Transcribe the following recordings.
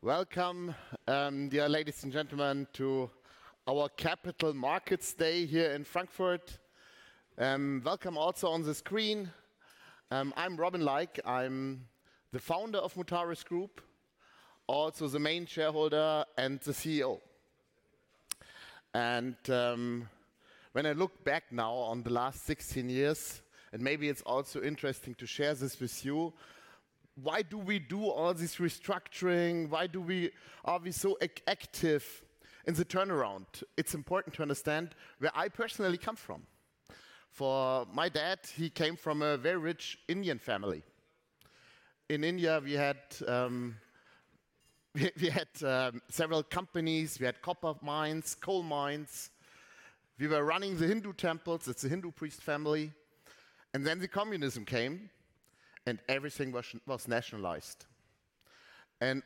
Welcome, dear ladies and gentlemen, to our Capital Markets Day here in Frankfurt. Welcome also o n the screen. I'm Robin Laik. I'm the founder of Mutares Group, also the main shareholder and the CEO. When I look back now on the last sixteen years, and maybe it's also interesting to share this with you, why do we do all this restructuring? Why are we so active in the turnaround? It's important to understand where I personally come from. For my dad, he came from a very rich Indian family. In India, we had several companies. We had copper mines, coal mines. We were running the Hindu temples. It's a Hindu priest family. Then the communism came, and everything was nationalized.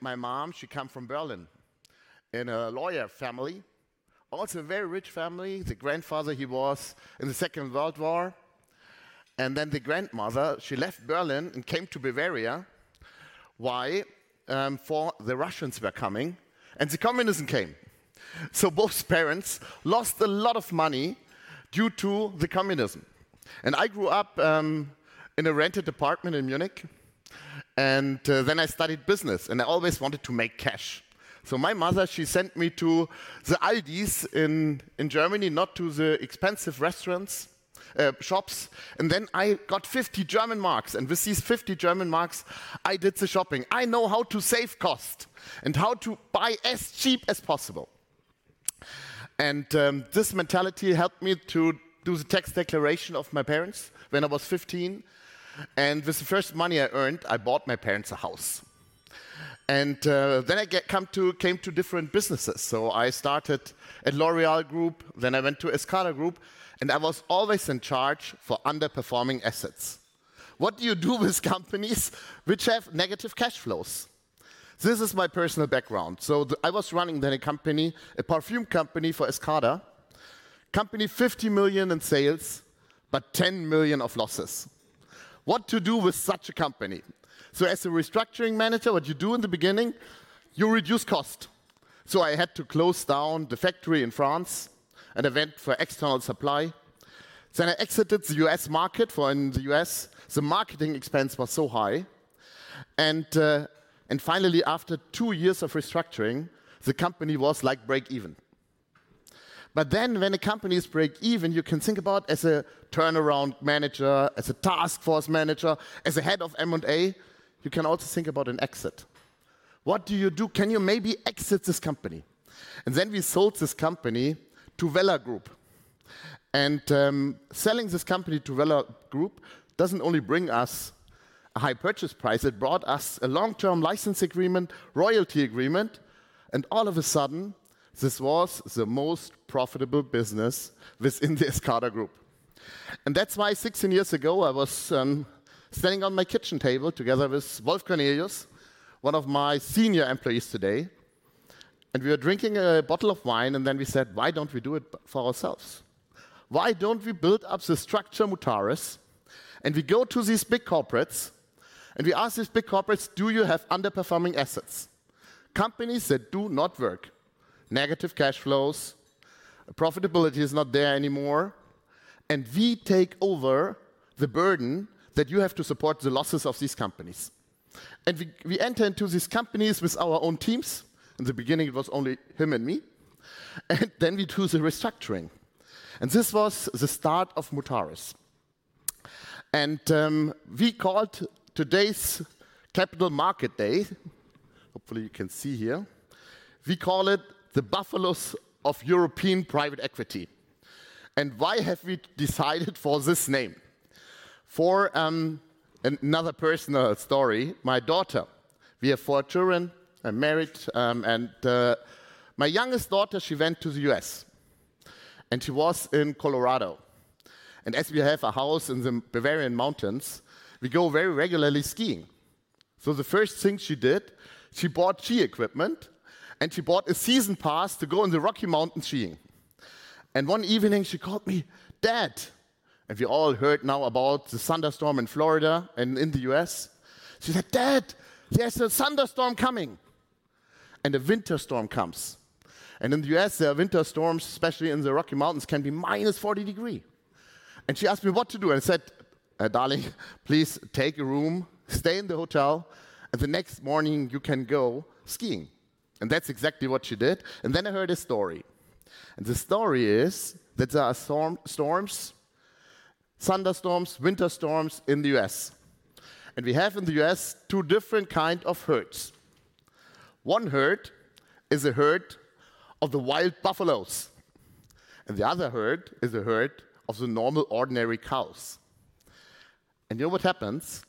My mom, she come from Berlin, in a lawyer family, also a very rich family. The grandfather, he was in the Second World War, and then the grandmother, she left Berlin and came to Bavaria. Why? For the Russians were coming, and the communism came. So both parents lost a lot of money due to the communism. And I grew up in a rented apartment in Munich, and then I studied business, and I always wanted to make cash. So my mother, she sent me to the Aldi in Germany, not to the expensive restaurants, shops, and then I got DEM 50, and with these DEM 50, I did the shopping. I know how to save cost and how to buy as cheap as possible. And this mentality helped me to do the tax declaration of my parents when I was fifteen, and with the first money I earned, I bought my parents a house. Then I came to different businesses. I started at L'Oréal Group, then I went to Escada Group, and I was always in charge for underperforming assets. What do you do with companies which have negative cash flows? This is my personal background. So then I was running a company, a perfume company for Escada. Company, fifty million in sales, but ten million of losses. What to do with such a company? So as a restructuring manager, what you do in the beginning, you reduce cost. So I had to close down the factory in France and went for external supply. Then I exited the U.S. market, because in the U.S., the marketing expense was so high and finally, after two years of restructuring, the company was, like, breakeven. But then when a company is break even, you can think about, as a turnaround manager, as a task force manager, as a head of M and A, you can also think about an exit. What do you do? Can you maybe exit this company? And then we sold this company to Wella Group. And, selling this company to Wella Group doesn't only bring us a high purchase price, it brought us a long-term license agreement, royalty agreement, and all of a sudden, this was the most profitable business within the Escada Group. And that's why 16 years ago, I was, sitting on my kitchen table together with Wolf Cornelius, one of my senior employees today, and we were drinking a bottle of wine, and then we said, "Why don't we do it for ourselves? Why don't we build up the structure, Mutares, and we go to these big corporates, and we ask these big corporates, "Do you have underperforming assets?" Companies that do not work, negative cash flows, profitability is not there anymore, and we take over the burden that you have to support the losses of these companies. We enter into these companies with our own teams. In the beginning, it was only him and me, and then we do the restructuring. This was the start of Mutares. We called today's Capital Markets Day, hopefully you can see here. We call it the Buffaloes of European Private Equity. Why have we decided for this name? For another personal story, my daughter. We have four children. I'm married, and my youngest daughter, she went to the U.S., and she was in Colorado. As we have a house in the Bavarian mountains, we go very regularly skiing. So the first thing she did, she bought ski equipment, and she bought a season pass to go in the Rocky Mountains skiing. One evening, she called me, "Dad!" We all heard now about the thunderstorm in Florida and in the US. She said, "Dad, there's a thunderstorm coming," and a winter storm comes. In the US, the winter storms, especially in the Rocky Mountains, can be minus 40 degrees. She asked me what to do, and I said, "Darling, please take a room, stay in the hotel, and the next morning, you can go skiing." That's exactly what she did. Then I heard a story, and the story is that there are storms, thunderstorms, winter storms in the US, and we have in the US two different herds. One herd is a herd of the wild buffalos, and the other herd is a herd of the normal, ordinary cows. And you know what happens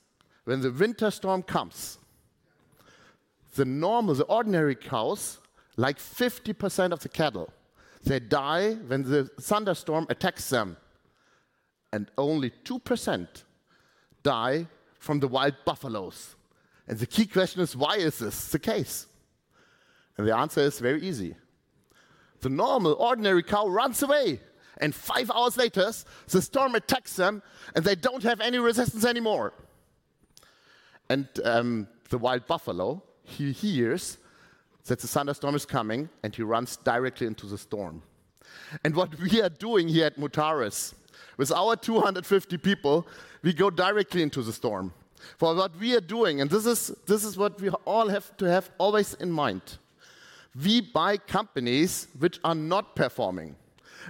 when the winter storm comes? The normal, the ordinary cows, like 50% of the cattle, they die when the thunderstorm attacks them, and only 2% die from the wild buffalos. And the key question is: Why is this the case? And the answer is very easy. The normal, ordinary cow runs away, and five hours later, the storm attacks them, and they don't have any resistance anymore. The wild buffalo hears that the thunderstorm is coming, and he runs directly into the storm. What we are doing here at Mutares, with our two hundred and fifty people, we go directly into the storm. For what we are doing, and this is what we all have to have always in mind: We buy companies which are not performing,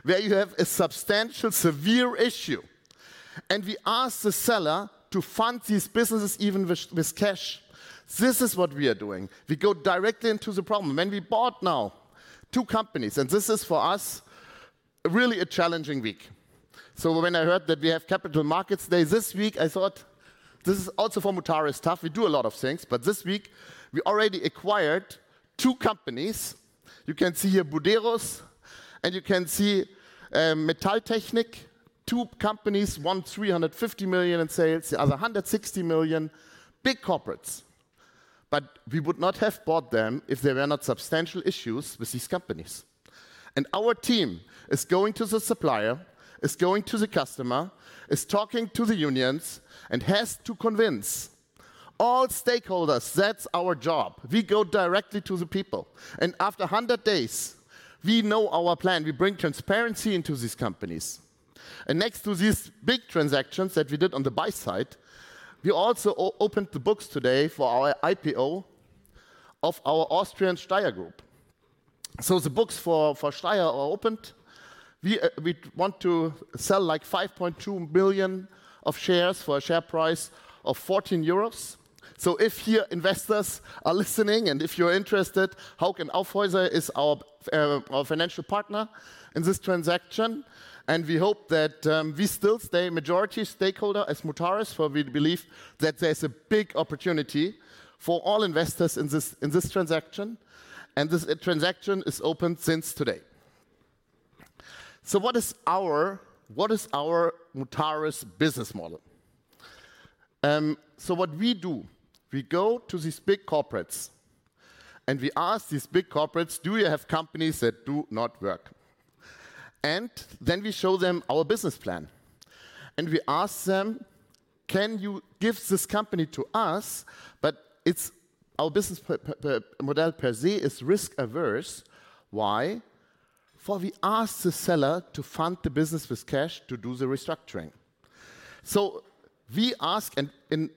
where you have a substantial, severe issue, and we ask the seller to fund these businesses even with cash. This is what we are doing. We go directly into the problem. We bought now two companies, and this is for us really a challenging week. When I heard that we have Capital Markets Day this week, I thought, "This is also for Mutares tough." We do a lot of things, but this week, we already acquired two companies. You can see here Buderus, and you can see Metalltechnik. Two companies, one 350 million in sales, the other 160 million. Big corporates. But we would not have bought them if there were not substantial issues with these companies. And our team is going to the supplier, is going to the customer, is talking to the unions, and has to convince all stakeholders. That's our job. We go directly to the people, and after 100 days, we know our plan. We bring transparency into these companies. And next to these big transactions that we did on the buy side, we also opened the books today for our IPO of our Austrian Steyr group. So the books for Steyr are opened. We want to sell, like, 5.2 billion of shares for a share price of 14 euros. So if here investors are listening, and if you're interested, Hauck & Aufhäuser is our, our financial partner in this transaction, and we hope that, we still stay majority stakeholder as Mutares, for we believe that there's a big opportunity for all investors in this, in this transaction, and this transaction is open since today. What is our Mutares business model? So what we do, we go to these big corporates, and we ask these big corporates, "Do you have companies that do not work?" And then we show them our business plan, and we ask them, "Can you give this company to us?" But it's our business model per se is risk-averse. Why? For we ask the seller to fund the business with cash to do the restructuring. We ask, and in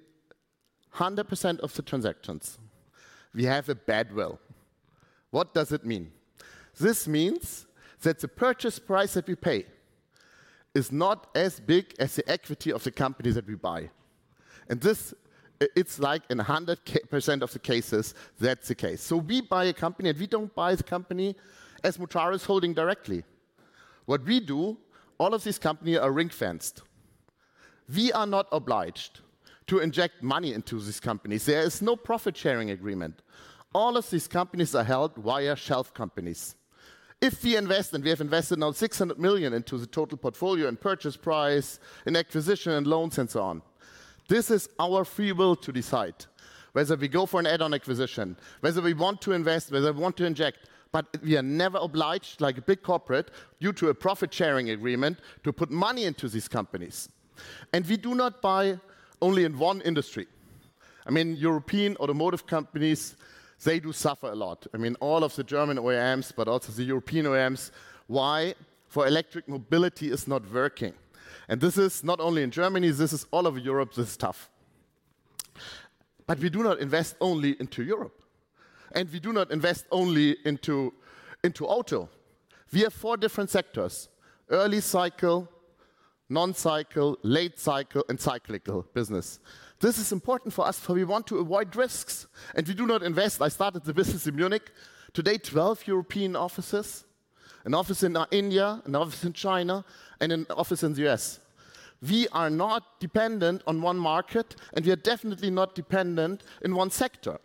100% of the transactions, we have a badwill. What does it mean? This means that the purchase price that we pay is not as big as the equity of the company that we buy, and this, it's like in 100% of the cases, that's the case. We buy a company, and we don't buy the company as Mutares holding directly. What we do, all of these company are ring-fenced. We are not obliged to inject money into these companies. There is no profit-sharing agreement. All of these companies are held via shelf companies. If we invest, and we have invested now 600 million into the total portfolio and purchase price and acquisition and loans and so on, this is our free will to decide whether we go for an add-on acquisition, whether we want to invest, whether we want to inject, but we are never obliged, like a big corporate, due to a profit-sharing agreement, to put money into these companies. And we do not buy only in one industry. I mean, European automotive companies, they do suffer a lot. I mean, all of the German OEMs, but also the European OEMs. Why? For electric mobility is not working, and this is not only in Germany, this is all over Europe, this is tough. But we do not invest only into Europe, and we do not invest only into auto. We have four different sectors: early cycle, non-cycle, late cycle, and cyclical business. This is important for us, for we want to avoid risks, and we do not invest. I started the business in Munich. Today, 12 European offices, an office in India, an office in China, and an office in the US. We are not dependent on one market, and we are definitely not dependent in one sector.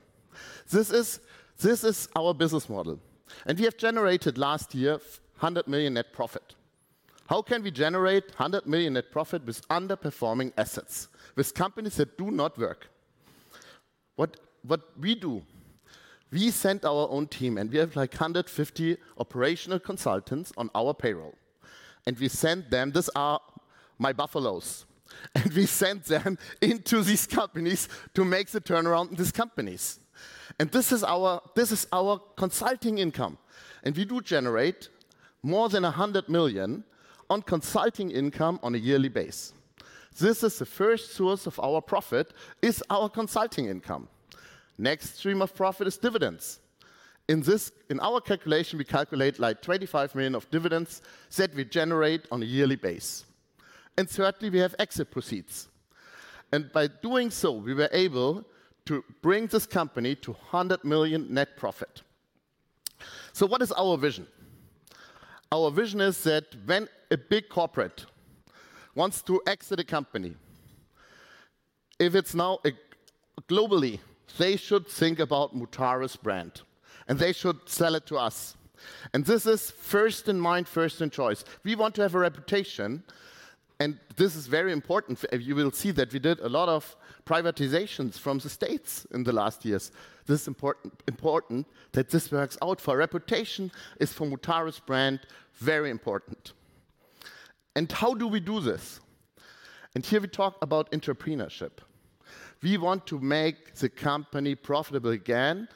This is, this is our business model, and we have generated last year 100 million net profit. How can we generate 100 million net profit with underperforming assets, with companies that do not work? What, what we do, we send our own team, and we have, like, 150 operational consultants on our payroll, and we send them. These are my buffalos and we send them into these companies to make the turnaround in these companies. This is our consulting income, and we do generate more than 100 million in consulting income on a yearly basis. This is the first source of our profit: our consulting income. Next stream of profit is dividends. In our calculation, we calculate, like, 25 million of dividends that we generate on a yearly basis. And thirdly, we have exit proceeds. And by doing so, we were able to bring this company to 100 million net profit. What is our vision? Our vision is that when a big corporate wants to exit a company, if it's now a globally, they should think about Mutares brand, and they should sell it to us. And this is first in mind, first in choice. We want to have a reputation of this is very important, for you will see that we did a lot of privatizations from the states in the last years. This is important. Important that this works out, for reputation of the Mutares brand is very important. How do we do this? Here we talk about entrepreneurship. We want to make the company profitable again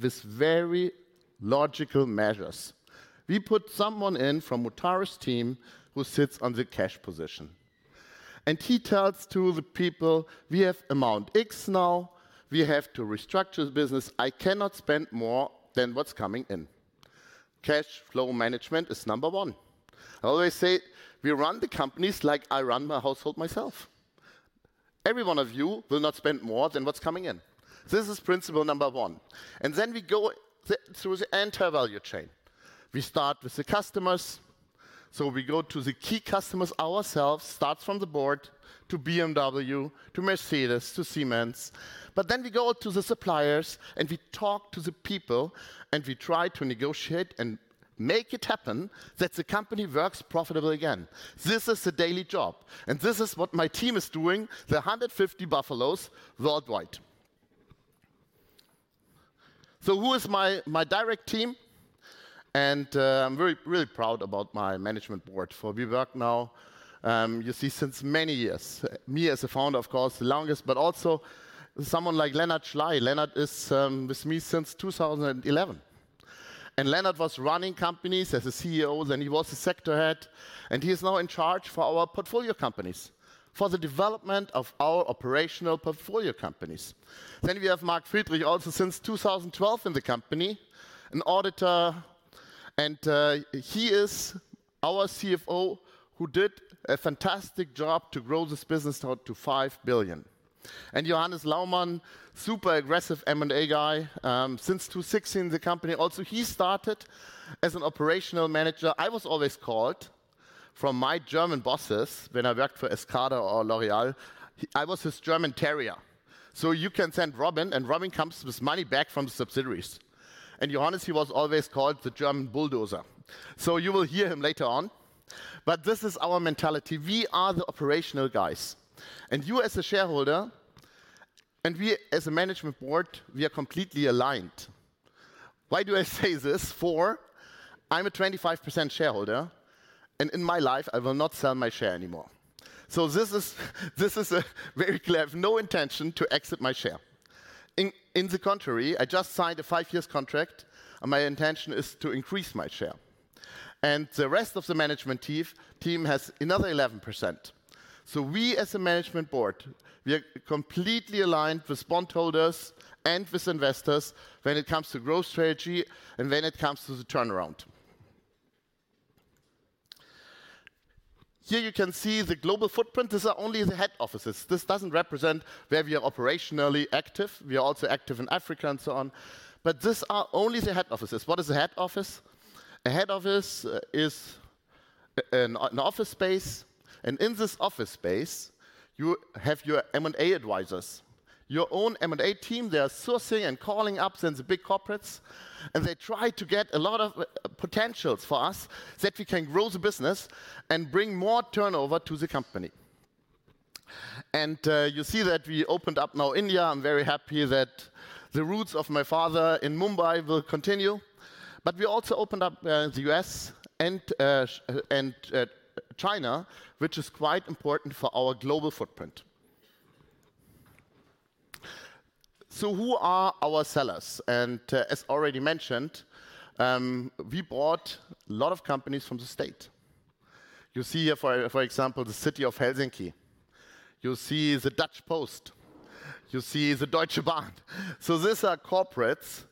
with very logical measures. We put someone in from the Mutares team who sits on the cash position, and he tells the people, "We have amount X now. We have to restructure the business. I cannot spend more than what's coming in." Cash flow management is number one. I always say, we run the companies like I run my household myself. Every one of you will not spend more than what's coming in. This is principle number one. Then we go through the entire value chain. We start with the customers, so we go to the key customers ourselves. It starts from the board, to BMW, to Mercedes, to Siemens. But then we go to the suppliers, and we talk to the people, and we try to negotiate and make it happen that the company works profitable again. This is the daily job, and this is what my team is doing, the 150 Buffalos worldwide. So who is my direct team? And I'm very really proud about my management board, for we work now, you see, since many years. Me, as the founder, of course, the longest, but also someone like Lennart Schley. Lennart is with me since 2011. Lennart was running companies as a CEO, then he was a sector head, and he is now in charge for our portfolio companies, for the development of our operational portfolio companies. We have Mark Friedrich, also since 2012 in the company, an auditor, and he is our CFO, who did a fantastic job to grow this business now to €5 billion. Johannes Laumann, super aggressive M&A guy, since 2016, in the company. Also, he started as an operational manager. I was always called from my German bosses when I worked for Escada or L'Oréal. I was his German terrier. You can send Robin, and Robin comes with money back from the subsidiaries. Johannes, he was always called the German bulldozer. You will hear him later on. This is our mentality. We are the operational guys, and you as a shareholder, and we as a management board, we are completely aligned. Why do I say this? For I'm a 25% shareholder, and in my life I will not sell my share anymore. So this is, this is very clear. I have no intention to exit my share. In the contrary, I just signed a five-year contract, and my intention is to increase my share. And the rest of the management team has another 11%. So we, as a management board, we are completely aligned with bondholders and with investors when it comes to growth strategy and when it comes to the turnaround. Here you can see the global footprint. These are only the head offices. This doesn't represent where we are operationally active. We are also active in Africa and so on, but these are only the head offices. What is a head office? A head office is an office space, and in this office space, you have your M&A advisors. Your own M&A team, they are sourcing and calling up then the big corporates, and they try to get a lot of potentials for us, that we can grow the business and bring more turnover to the company. And you see that we opened up now India. I'm very happy that the roots of my father in Mumbai will continue. But we also opened up the US and China, which is quite important for our global footprint. So who are our sellers? And as already mentioned, we bought a lot of companies from the state. You see here, for example, the city of Helsinki. You see the Dutch Post. You see the Deutsche Bank. So these are corporates.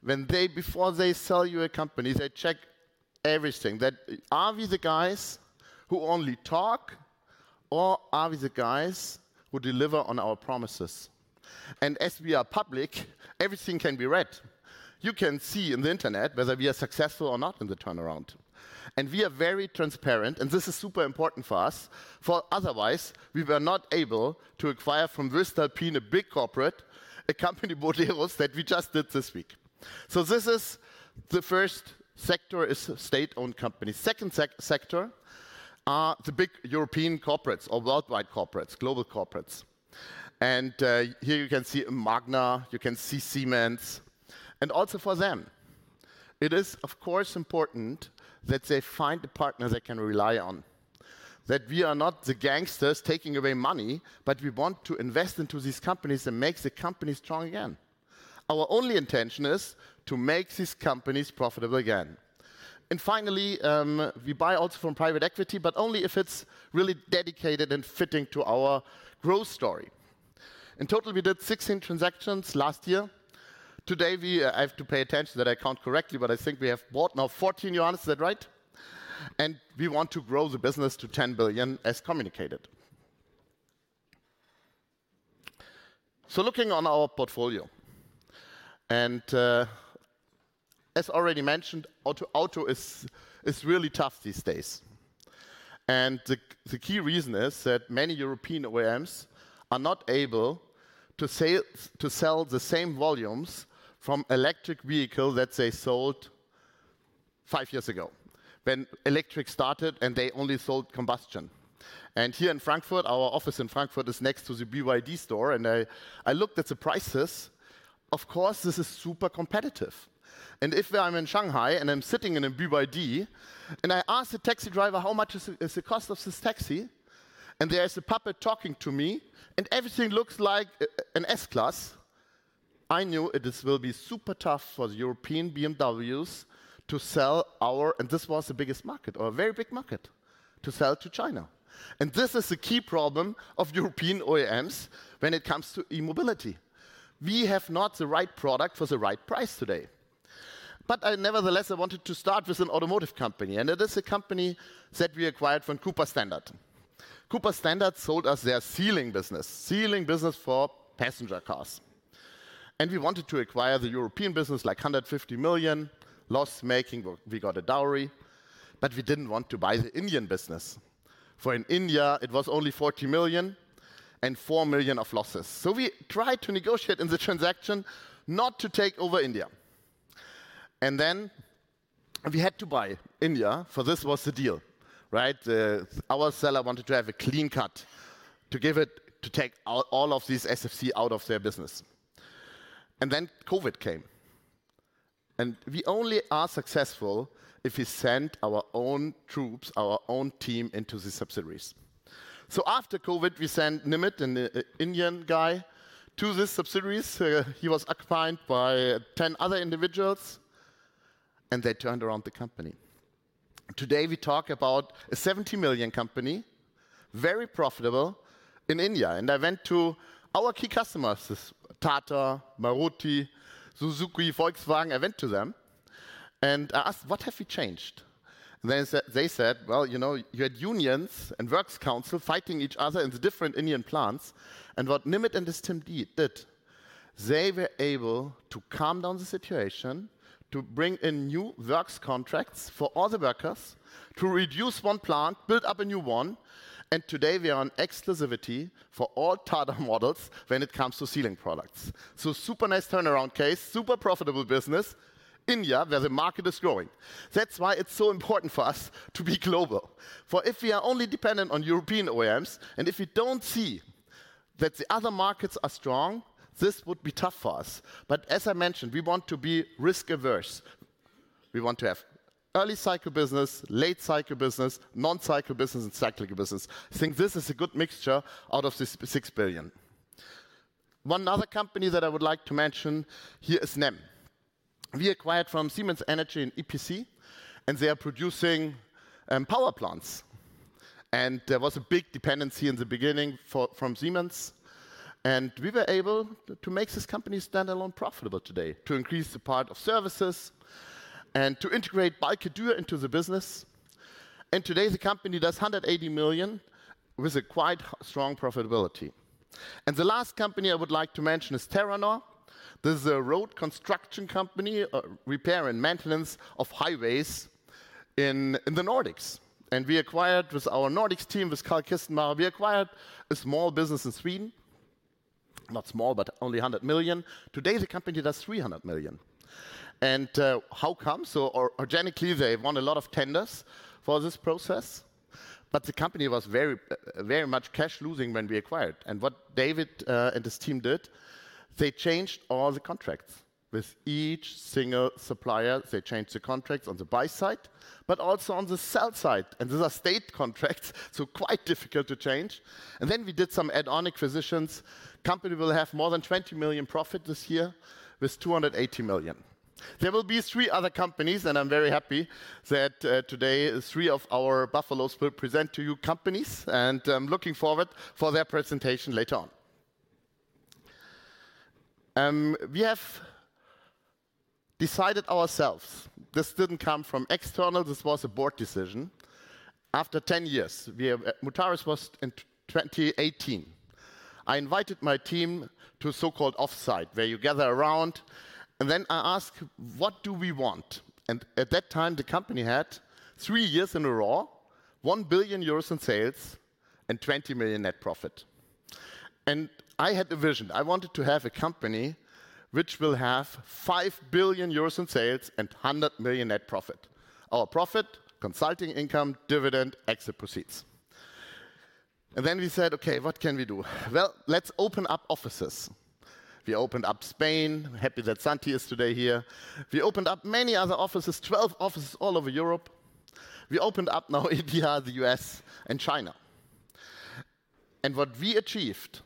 When they, before they sell you a company, they check everything. That, are we the guys who only talk, or are we the guys who deliver on our promises? And as we are public, everything can be read. You can see on the internet whether we are successful or not in the turnaround. And we are very transparent, and this is super important for us, for otherwise, we were not able to acquire from voestalpine, a big corporate, a company that was, that we just did this week. So this is the first sector, is a state-owned company. Second sector are the big European corporates or worldwide corporates, global corporates. And here you can see Magna, you can see Siemens. Also for them, it is, of course, important that they find a partner they can rely on, that we are not the gangsters taking away money, but we want to invest into these companies and make the company strong again. Our only intention is to make these companies profitable again. Finally, we buy also from private equity, but only if it's really dedicated and fitting to our growth story. In total, we did 16 transactions last year. Today, I have to pay attention that I count correctly, but we have bought now 14. Johannes, is that right? We want to grow the business to 10 billion, as communicated. Looking on our portfolio, and, as already mentioned, auto is really tough these days. And the key reason is that many European OEMs are not able to sell the same volumes of electric vehicles that they sold five years ago, when electric started and they only sold combustion. Here in Frankfurt, our office in Frankfurt is next to the BYD store, and I looked at the prices. Of course, this is super competitive. And if I'm in Shanghai, and I'm sitting in a BYD, and I ask the taxi driver, "How much is the cost of this taxi?" And there is a puppet talking to me, and everything looks like an S-Class, I knew it this will be super tough for the European BMWs to sell our- And this was the biggest market, or a very big market, to sell to China. And this is the key problem of European OEMs when it comes to e-mobility. We have not the right product for the right price today. But I nevertheless, I wanted to start with an automotive company, and it is a company that we acquired from Cooper Standard. Cooper Standard sold us their sealing business for passenger cars. And we wanted to acquire the European business, like 150 million, loss-making. We got a dowry, but we didn't want to buy the Indian business, for in India it was only 40 million, and 4 million of losses. So we tried to negotiate in the transaction not to take over India. And then we had to buy India, for this was the deal, right? Our seller wanted to have a clean cut, to take out all of these SFC out of their business. And then COVID came. We only are successful if we send our own troops, our own team, into the subsidiaries. After COVID, we sent Nimit and the Indian guy to the subsidiaries. He was accompanied by ten other individuals, and they turned around the company. Today, we talk about a 70 million company, very profitable in India. I went to our key customers, Tata, Maruti, Suzuki, Volkswagen. I went to them, and I asked: "What have you changed?" They said: "Well, you know, you had unions and works council fighting each other in the different Indian plants. What Nimit and his team did, they were able to calm down the situation, to bring in new works contracts for all the workers, to reduce one plant, build up a new one, and today we are on exclusivity for all Tata models when it comes to sealing products. So super nice turnaround case, super profitable business. India, where the market is growing. That's why it's so important for us to be global, for if we are only dependent on European OEMs, and if we don't see that the other markets are strong, this would be tough for us. But as I mentioned, we want to be risk-averse. We want to have early-cycle business, late-cycle business, non-cycle business, and cyclical business. This is a good mixture out of this six billion. One other company that I would like to mention here is NEM. We acquired from Siemens Energy in EPC, and they are producing power plants, and there was a big dependency in the beginning from Siemens, and we were able to make this company standalone profitable today, to increase the part of services and to integrate Balcke-Dürr into the business, and today, the company does 180 million, with a quite strong profitability, and the last company I would like to mention is Terranor. This is a road construction company, repair and maintenance of highways in the Nordics, and we acquired with our Nordics team, with Carl Kestner, we acquired a small business in Sweden. Not small, but only 100 million. Today, the company does 300 million, and how come? So organically, they won a lot of tenders for this process, but the company was very much cash losing when we acquired. What David and his team did, they changed all the contracts with each single supplier. They changed the contracts on the buy side, but also on the sell side, and these are state contracts, so quite difficult to change. Then we did some add-on acquisitions. The company will have more than 20 million profit this year, with 280 million. There will be three other companies, and I'm very happy that today three of our portfolio companies will present to you companies, and I'm looking forward to their presentation later on. We have decided ourselves. This didn't come from external. This was a board decision. After ten years, we have Mutares was in 2018. I invited my team to a so-called offsite, where you gather around, and then I ask: "What do we want?" And at that time, the company had three years in a row, 1 billion euros in sales and 20 million net profit. And I had a vision. I wanted to have a company which will have 5 billion euros in sales and 100 million net profit. Our profit, consulting income, dividend, exit proceeds. And then we said: "Okay, what can we do? Well, let's open up offices." We opened up Spain. I'm happy that Santi is today here. We opened up many other offices, 12 offices all over Europe. We opened up now India, the US, and China. And what we achieved,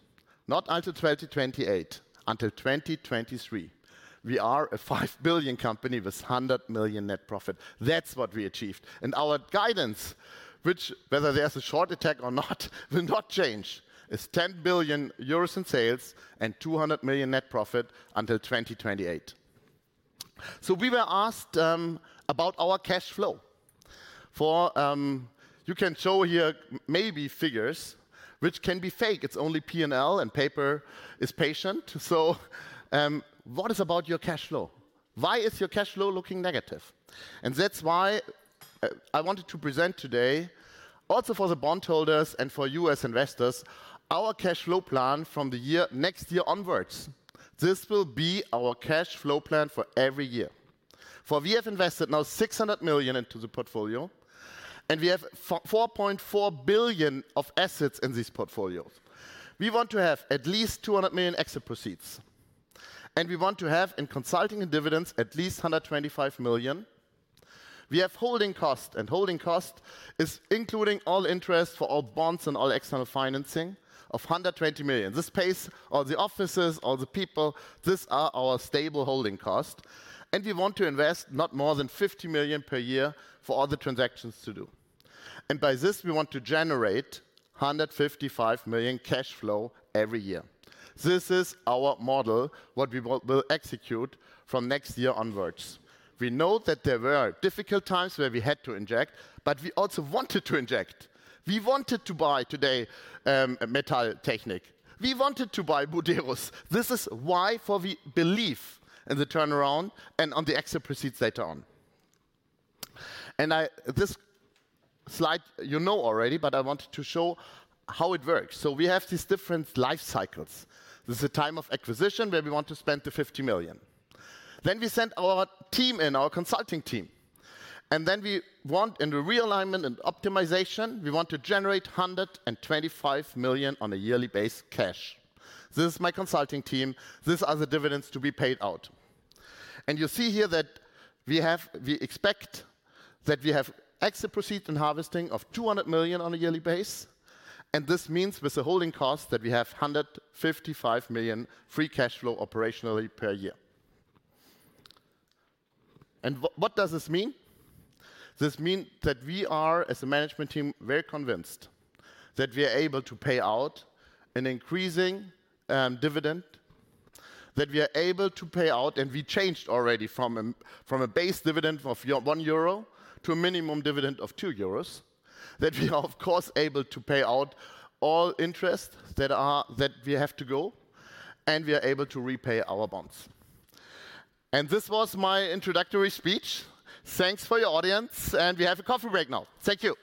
not until 2028, until 2023, we are a 5 billion company with 100 million net profit. That's what we achieved. Our guidance, which, whether there's a short attack or not, will not change, is 10 billion euros in sales and 200 million EUR net profit until 2028. So we were asked about our cash flow. For you can show here maybe figures which can be fake. It's only P&L, and paper is patient. So what is about your cash flow? Why is your cash flow looking negative? And that's why I wanted to present today, also for the bondholders and for you as investors, our cash flow plan from the year next year onwards. This will be our cash flow plan for every year, for we have invested now 600 million into the portfolio, and we have 4.4 billion of assets in these portfolios. We want to have at least 200 million exit proceeds, and we want to have in consulting and dividends at least 125 million. We have holding cost, and holding cost is including all interest for all bonds and all external financing of 120 million. This pays all the offices, all the people. This are our stable holding cost, and we want to invest not more than 50 million per year for all the transactions to do. By this, we want to generate 155 million cash flow every year. This is our model, what we will execute from next year onwards. We know that there were difficult times where we had to inject, but we also wanted to inject. We wanted to buy today, Metalltechnik. We wanted to buy Buderus. This is why we believe in the turnaround and on the exit proceeds later on. I—this slide, you know already, but I wanted to show how it works. We have these different life cycles. This is a time of acquisition where we want to spend 50 million. Then we send our team in, our consulting team, and then we want in the realignment and optimization, we want to generate 125 million on a yearly basis cash. This is my consulting team. These are the dividends to be paid out. You see here that we have—we expect that we have exit proceeds and harvesting of 200 million on a yearly basis. This means with the holding cost, that we have 155 million free cash flow operationally per year. What does this mean? This means that we are, as a management team, very convinced that we are able to pay out an increasing dividend, that we are able to pay out, and we changed already from a base dividend of 1 euro to a minimum dividend of 2 euros, that we are of course able to pay out all interest that we have to pay, and we are able to repay our bonds. This was my introductory speech. Thanks for your attention, and we have a coffee break now. Thank you....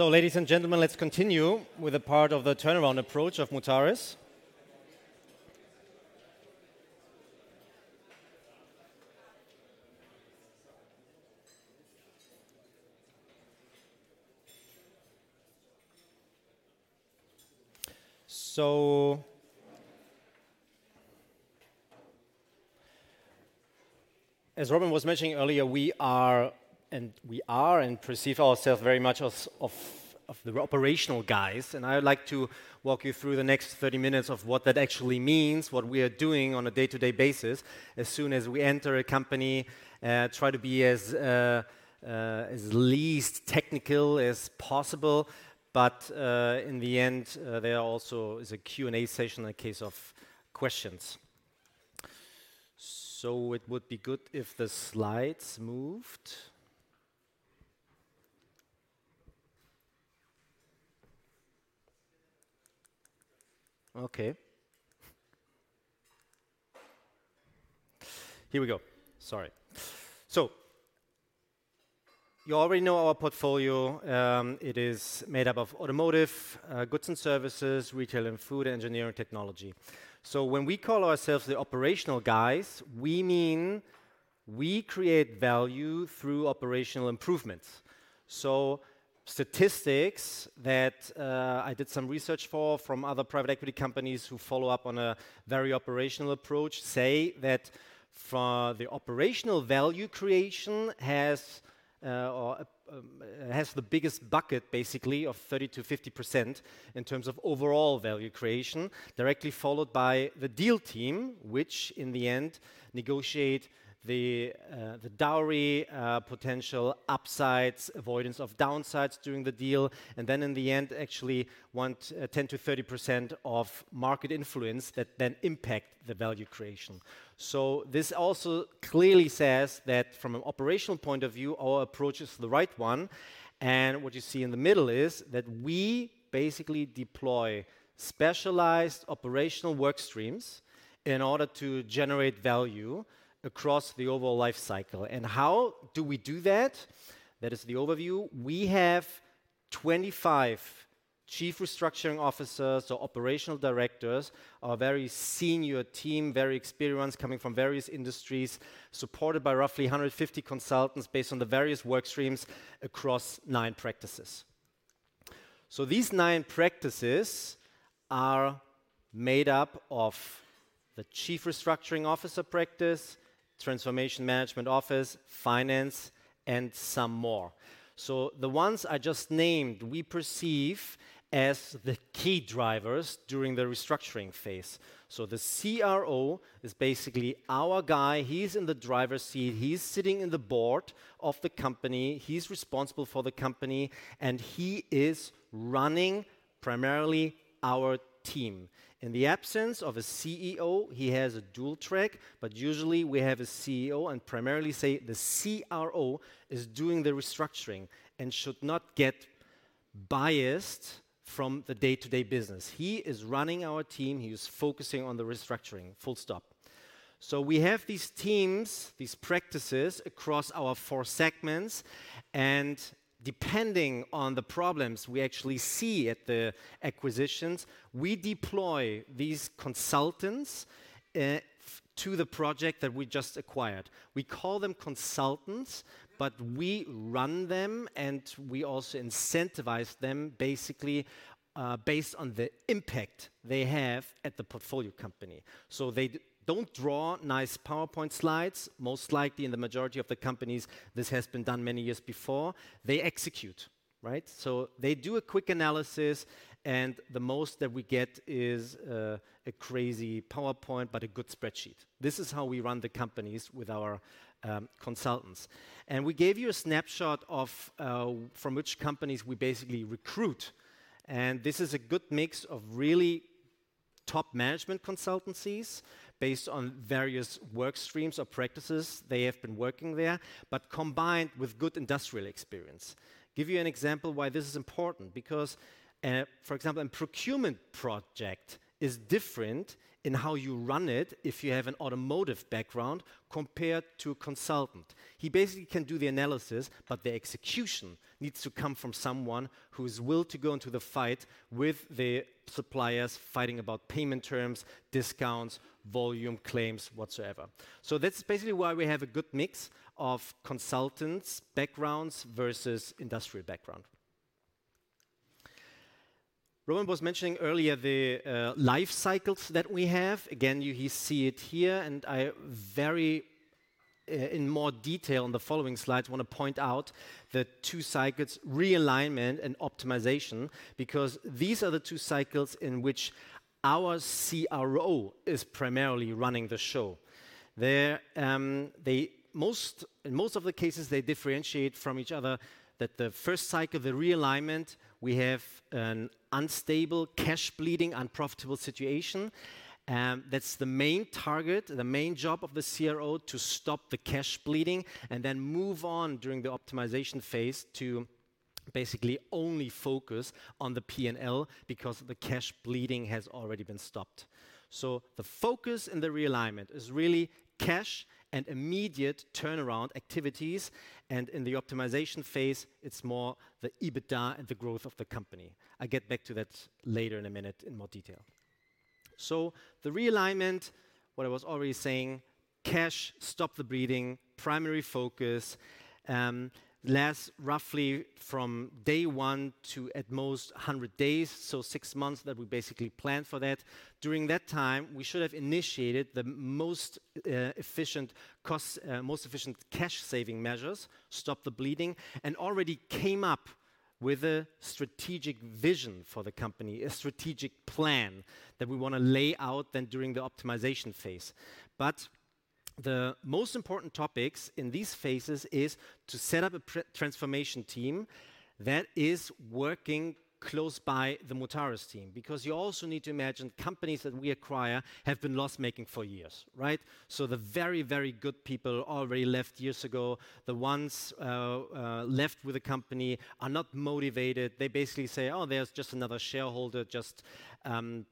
So ladies and gentlemen, let's continue with the part of the turnaround approach of Mutares. So, as Robin was mentioning earlier, we are and perceive ourselves very much as of the operational guys, and I would like to walk you through the next thirty minutes of what that actually means, what we are doing on a day-to-day basis as soon as we enter a company. Try to be as least technical as possible, but in the end there also is a Q&A session in case of questions. So it would be good if the slides moved. Okay. Here we go. Sorry. So you already know our portfolio. It is made up of automotive, goods and services, retail and food, engineering, technology. So when we call ourselves the operational guys, we mean we create value through operational improvements. So statistics that I did some research for from other private equity companies who follow up on a very operational approach say that for the operational value creation has the biggest bucket, basically, of 30-50% in terms of overall value creation, directly followed by the deal team, which in the end negotiate the dowry, potential upsides, avoidance of downsides during the deal, and then in the end, actually want 10-30% of market influence that then impact the value creation. So this also clearly says that from an operational point of view, our approach is the right one. And what you see in the middle is that we basically deploy specialized operational work streams in order to generate value across the overall life cycle. And how do we do that? That is the overview. We have 25 chief restructuring officers or operational directors, a very senior team, very experienced, coming from various industries, supported by roughly 150 consultants based on the various work streams across nine practices. So these nine practices are made up of the chief restructuring officer practice, transformation management office, finance, and some more. So the ones I just named, we perceive as the key drivers during the restructuring phase. So the CRO is basically our guy. He's in the driver's seat, he's sitting in the board of the company, he's responsible for the company, and he is running primarily our team. In the absence of a CEO, he has a dual track, but usually we have a CEO and primarily say the CRO is doing the restructuring and should not get biased from the day-to-day business. He is running our team, he is focusing on the restructuring, full stop. So we have these teams, these practices, across our four segments, and depending on the problems we actually see at the acquisitions, we deploy these consultants to the project that we just acquired. We call them consultants, but we run them, and we also incentivize them basically based on the impact they have at the portfolio company. So they don't draw nice PowerPoint slides. Most likely, in the majority of the companies, this has been done many years before. They execute, right? So they do a quick analysis, and the most that we get is a crazy PowerPoint, but a good spreadsheet. This is how we run the companies with our consultants. And we gave you a snapshot of from which companies we basically recruit. This is a good mix of really top management consultancies based on various work streams or practices they have been working there, but combined with good industrial experience. Give you an example why this is important, because, for example, a procurement project is different in how you run it if you have an automotive background compared to a consultant. He basically can do the analysis, but the execution needs to come from someone who is willing to go into the fight with the suppliers, fighting about payment terms, discounts, volume claims, whatsoever. So that's basically why we have a good mix of consultants' backgrounds versus industrial background. Robin was mentioning earlier the life cycles that we have. Again, you see it here, and I very in more detail on the following slides wanna point out the two cycles, realignment and optimization, because these are the two cycles in which our CRO is primarily running the show. They, in most of the cases, differentiate from each other, that the first cycle, the realignment, we have an unstable, cash-bleeding, unprofitable situation. That's the main target, the main job of the CRO, to stop the cash bleeding and then move on during the optimization phase to basically only focus on the PNL because the cash bleeding has already been stopped. So the focus in the realignment is really cash and immediate turnaround activities, and in the optimization phase, it's more the EBITDA and the growth of the company. I'll get back to that later in a minute in more detail. So the realignment, what I was already saying, cash, stop the bleeding, primary focus, lasts roughly from day one to at most 100 days, so six months that we basically plan for that. During that time, we should have initiated the most efficient cash-saving measures, stop the bleeding, and already came up with a strategic vision for the company, a strategic plan that we wanna lay out then during the optimization phase. But the most important topics in these phases is to set up a transformation team that is working close by the Mutares team. Because you also need to imagine, companies that we acquire have been loss-making for years, right? So the very, very good people already left years ago. The ones left with the company are not motivated. They basically say, "Oh, there's just another shareholder just,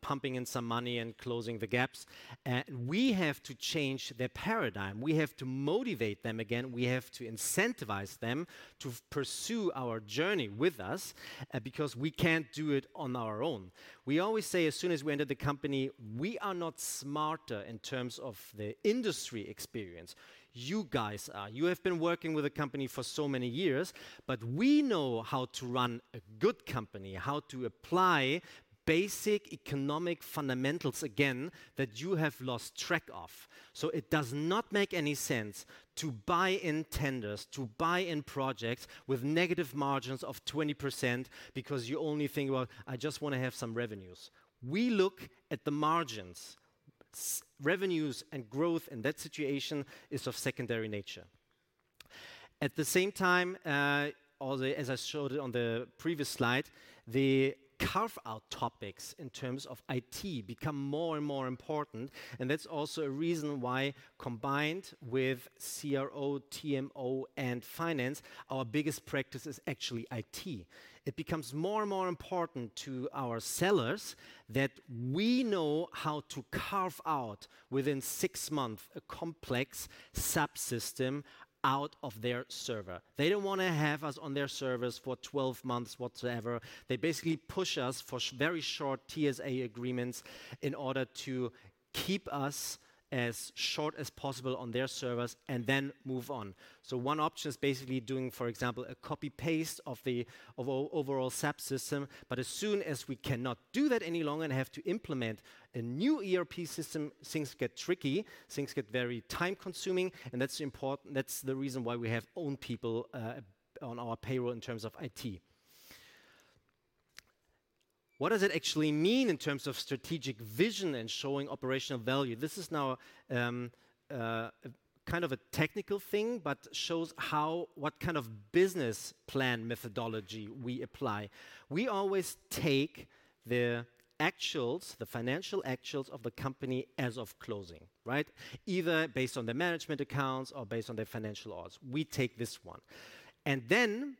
pumping in some money and closing the gaps." And we have to change their paradigm. We have to motivate them again. We have to incentivize them to pursue our journey with us, because we can't do it on our own. We always say, as soon as we enter the company, "We are not smarter in terms of the industry experience. You guys are. You have been working with the company for so many years, but we know how to run a good company, how to apply basic economic fundamentals again that you have lost track of." So it does not make any sense to buy in tenders, to buy in projects with negative margins of 20% because you only think, "Well, I just wanna have some revenues." We look at the margins. Revenues and growth in that situation is of secondary nature. At the same time, as I showed it on the previous slide, the carve-out topics in terms of IT become more and more important, and that's also a reason why, combined with CRO, TMO, and finance, our biggest practice is actually IT. It becomes more and more important to our sellers that we know how to carve out, within six months, a complex subsystem out of their server. They don't wanna have us on their servers for 12 months whatsoever. They basically push us for very short TSA agreements in order to keep us as short as possible on their servers and then move on. So one option is basically doing, for example, a copy-paste of the overall SAP system, but as soon as we cannot do that any longer and have to implement a new ERP system, things get tricky, things get very time-consuming, and that's important, that's the reason why we have own people on our payroll in terms of IT. What does it actually mean in terms of strategic vision and showing operational value? This is now a technical thing, but shows how what business plan methodology we apply. We always take the actuals, the financial actuals of the company as of closing, right? Either based on the management accounts or based on their financial audits, we take this one. And then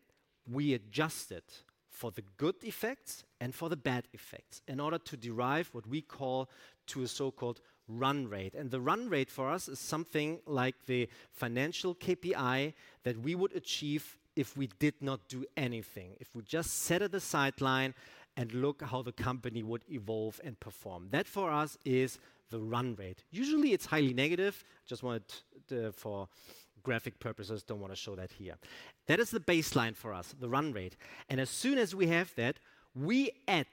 we adjust it for the good effects and for the bad effects in order to derive what we call the so-called run rate. And the run rate for us is something like the financial KPI that we would achieve if we did not do anything, if we just sat at the sideline and look how the company would evolve and perform. That, for us, is the run rate. Usually, it's highly negative. Just wanted to, for graphic purposes, don't wanna show that here. That is the baseline for us, the run rate, and as soon as we have that, we add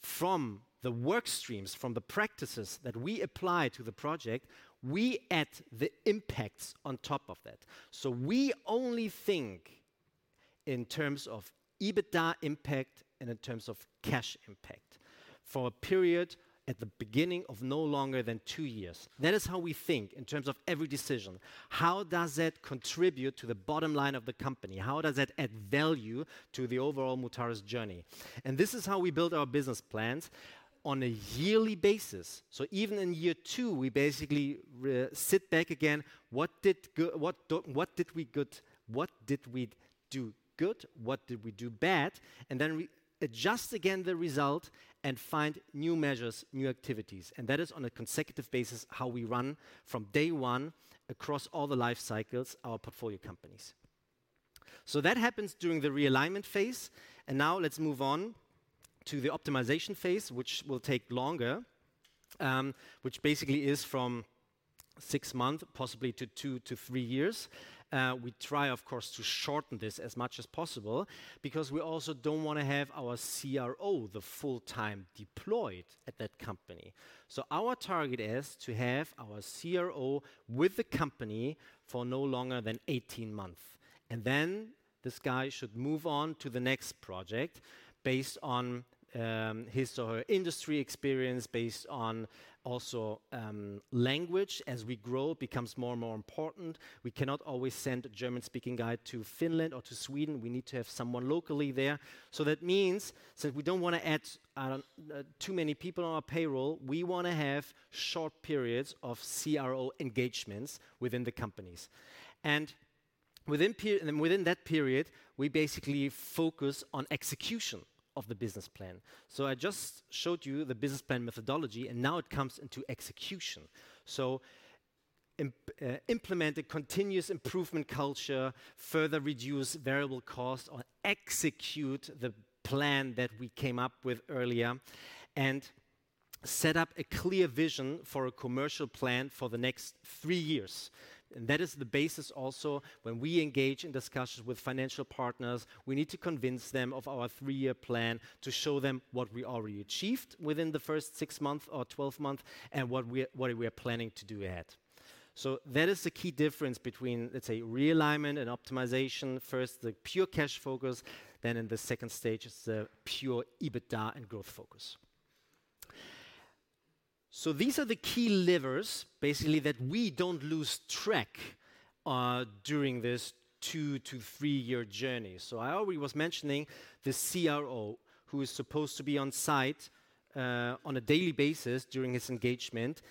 from the work streams, from the practices that we apply to the project, we add the impacts on top of that. So we only think in terms of EBITDA impact and in terms of cash impact for a period at the beginning of no longer than two years. That is how we think in terms of every decision. How does that contribute to the bottom line of the company? How does that add value to the overall Mutares journey? And this is how we build our business plans on a yearly basis. So even in year two, we basically sit back again. What did we do good? What did we do bad? And then we adjust again the result and find new measures, new activities, and that is, on a consecutive basis, how we run from day one across all the life cycles, our portfolio companies. That happens during the realignment phase, and now let's move on to the optimization phase, which will take longer, which basically is from six month, possibly to two to three years. We try, of course, to shorten this as much as possible, because we also don't wanna have our CRO, the full-time deployed at that company. Our target is to have our CRO with the company for no longer than eighteen months, and then this guy should move on to the next project based on his or her industry experience, based on also language. As we grow, it becomes more and more important. We cannot always send a German-speaking guy to Finland or to Sweden. We need to have someone locally there. That means, so we don't wanna add too many people on our payroll. We wanna have short periods of CRO engagements within the companies. And within that period, we basically focus on execution of the business plan. So I just showed you the business plan methodology, and now it comes into execution. So implement a continuous improvement culture, further reduce variable cost, or execute the plan that we came up with earlier, and set up a clear vision for a commercial plan for the next three years. And that is the basis also, when we engage in discussions with financial partners. We need to convince them of our three-year plan, to show them what we already achieved within the first six month or twelve month, and what we are planning to do ahead. So that is the key difference between, let's say, realignment and optimization. First, the pure cash focus, then in the second stage is the pure EBITDA and growth focus. So these are the key levers, basically, that we don't lose track during this two- to three-year journey. So I already was mentioning the CRO, who is supposed to be on site on a daily basis during his engagement,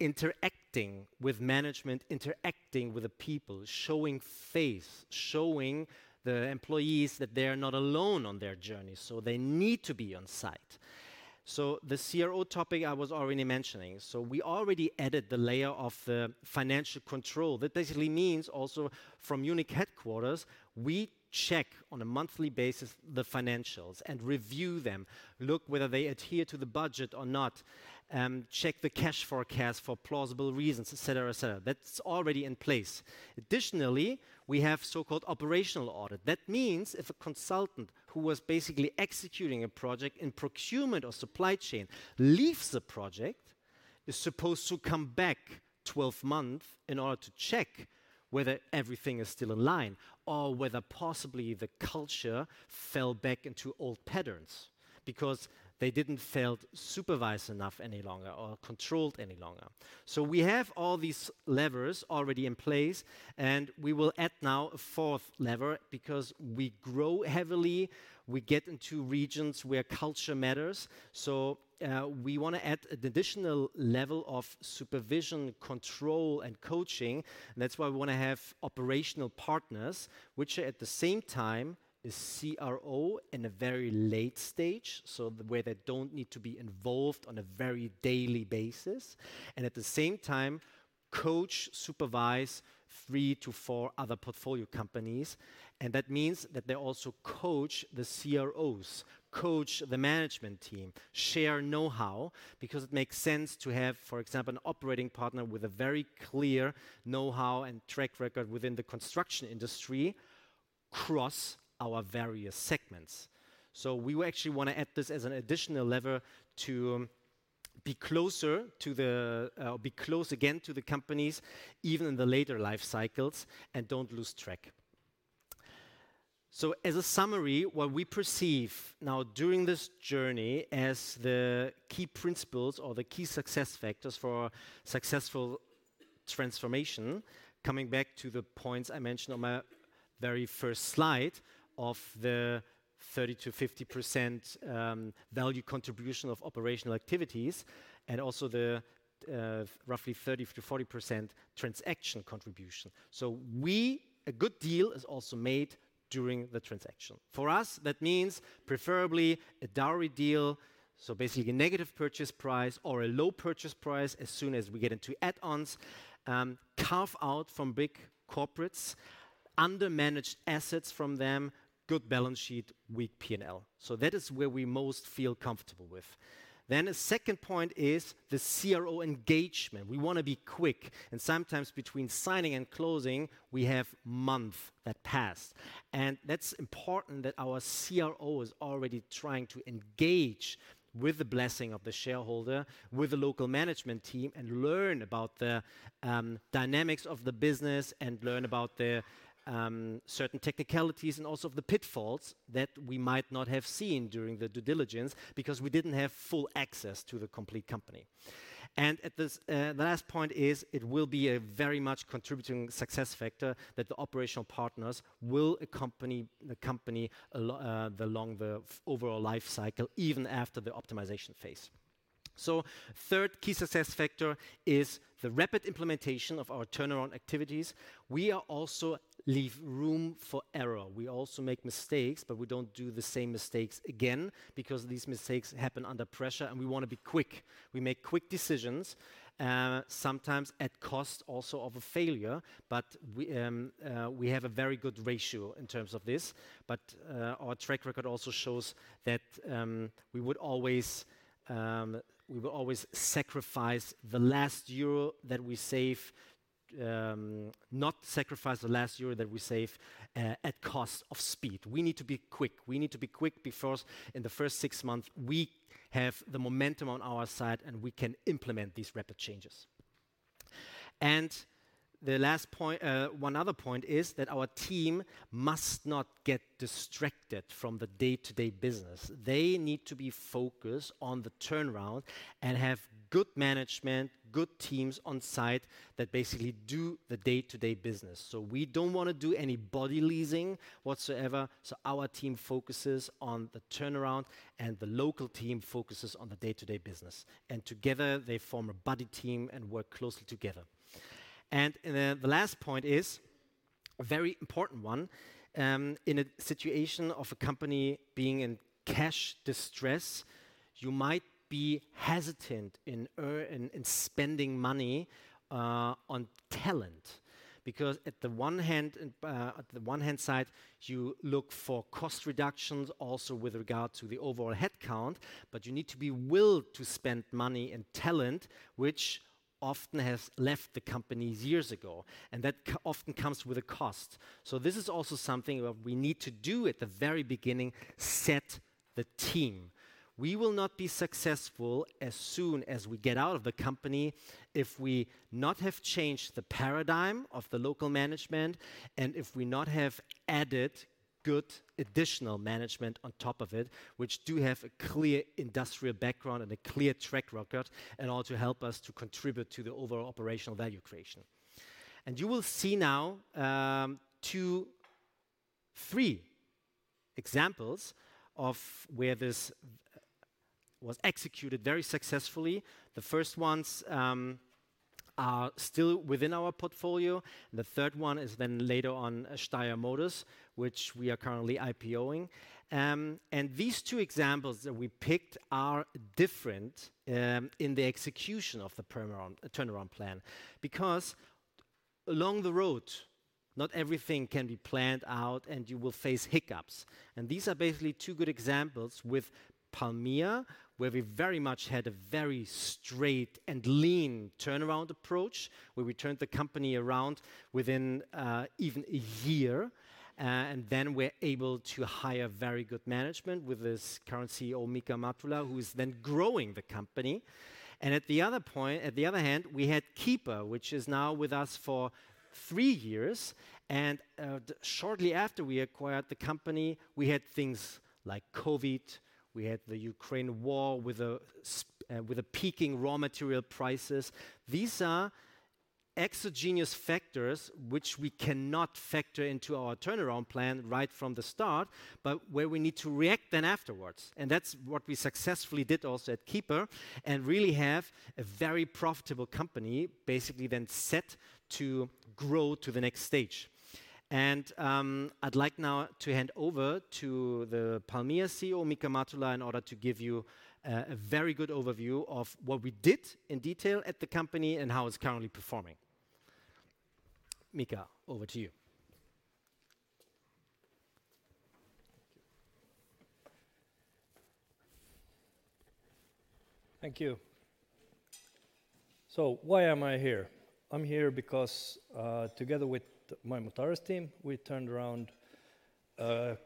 interacting with management, interacting with the people, showing face, showing the employees that they are not alone on their journey, so they need to be on site. So the CRO topic I was already mentioning. So we already added the layer of the financial control. That basically means also from Munich headquarters, we check on a monthly basis the financials and review them, look whether they adhere to the budget or not, check the cash forecast for plausible reasons, et cetera, et cetera. That's already in place. Additionally, we have so-called operational audit. That means if a consultant who was basically executing a project in procurement or supply chain leaves the project, is supposed to come back twelve months in order to check whether everything is still in line, or whether possibly the culture fell back into old patterns because they didn't feel supervised enough any longer or controlled any longer. We have all these levers already in place, and we will add now a fourth lever, because we grow heavily, we get into regions where culture matters, so we wanna add an additional level of supervision, control, and coaching. That's why we wanna have operational partners, which at the same time is CRO in a very late stage, so where they don't need to be involved on a very daily basis, and at the same time, coach, supervise three to four other portfolio companies, and that means that they also coach the CROs, coach the management team, share know-how, because it makes sense to have, for example, an operating partner with a very clear know-how and track record within the construction industry across our various segments, so we actually wanna add this as an additional lever to be closer to the, be close again to the companies, even in the later life cycles, and don't lose track. As a summary, what we perceive now during this journey as the key principles or the key success factors for successful transformation, coming back to the points I mentioned on my very first slide of the 30%-50% value contribution of operational activities, and also the roughly 30%-40% transaction contribution. A good deal is also made during the transaction. For us, that means preferably a dowry deal, so basically a negative purchase price or a low purchase price as soon as we get into add-ons, carve-out from big corporates, under-managed assets from them, good balance sheet, weak PNL. That is where we most feel comfortable with. Then the second point is the CRO engagement. We wanna be quick, and sometimes between signing and closing, we have month that pass. That's important that our CRO is already trying to engage, with the blessing of the shareholder, with the local management team and learn about the dynamics of the business and learn about the certain technicalities and also of the pitfalls that we might not have seen during the due diligence because we didn't have full access to the complete company. At this, the last point is, it will be a very much contributing success factor that the operational partners will accompany the company along the longer overall life cycle, even after the optimization phase. Third key success factor is the rapid implementation of our turnaround activities. We also leave room for error. We also make mistakes, but we don't do the same mistakes again, because these mistakes happen under pressure, and we wanna be quick. We make quick decisions, sometimes at cost also of a failure, but we have a very good ratio in terms of this. But our track record also shows that we will always sacrifice the last euro that we save, not sacrifice the last euro that we save, at cost of speed. We need to be quick. We need to be quick because in the first six months, we have the momentum on our side, and we can implement these rapid changes. And the last point, one other point is that our team must not get distracted from the day-to-day business. They need to be focused on the turnaround and have good management, good teams on site that basically do the day-to-day business. So we don't wanna do any body leasing whatsoever, so our team focuses on the turnaround, and the local team focuses on the day-to-day business, and together they form a buddy team and work closely together. And the last point is a very important one. In a situation of a company being in cash distress, you might be hesitant in spending money on talent. Because at the one hand side, you look for cost reductions, also with regard to the overall headcount, but you need to be willing to spend money on talent, which often has left the companies years ago, and that often comes with a cost. So this is also something that we need to do at the very beginning: set the team. We will not be successful as soon as we get out of the company if we not have changed the paradigm of the local management and if we not have added good additional management on top of it, which do have a clear industrial background and a clear track record in order to help us to contribute to the overall operational value creation, and you will see now three examples of where this was executed very successfully. The first ones are still within our portfolio, and the third one is then later on Steyr Motors, which we are currently IPO-ing, and these two examples that we picked are different in the execution of the turnaround plan. Because along the road, not everything can be planned out, and you will face hiccups. These are basically two good examples with Palmia, where we very much had a very straight and lean turnaround approach, where we turned the company around within even a year. And then we're able to hire very good management with this current CEO, Mika Matula, who is then growing the company. And at the other hand, we had keeeper, which is now with us for three years, and shortly after we acquired the company, we had things like COVID, we had the Ukraine war with spiking raw material prices. These are exogenous factors which we cannot factor into our turnaround plan right from the start, but where we need to react then afterwards, and that's what we successfully did also at Keeeper, and really have a very profitable company, basically then set to grow to the next stage, and I'd like now to hand over to the Palmia CEO, Mika Matula, in order to give you a very good overview of what we did in detail at the company and how it's currently performing. Mika, over to you. Thank you. So why am I here? I'm here because together with my Mutares team, we turned around a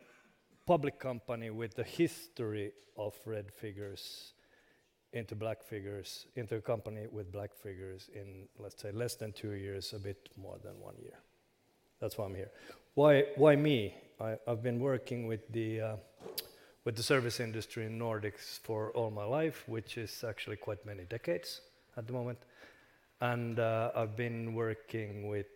public company with a history of red figures into black figures, into a company with black figures in, let's say, less than two years, a bit more than one year. That's why I'm here. Why me? I've been working with the service industry in Nordics for all my life, which is actually quite many decades at the moment. And I've been working with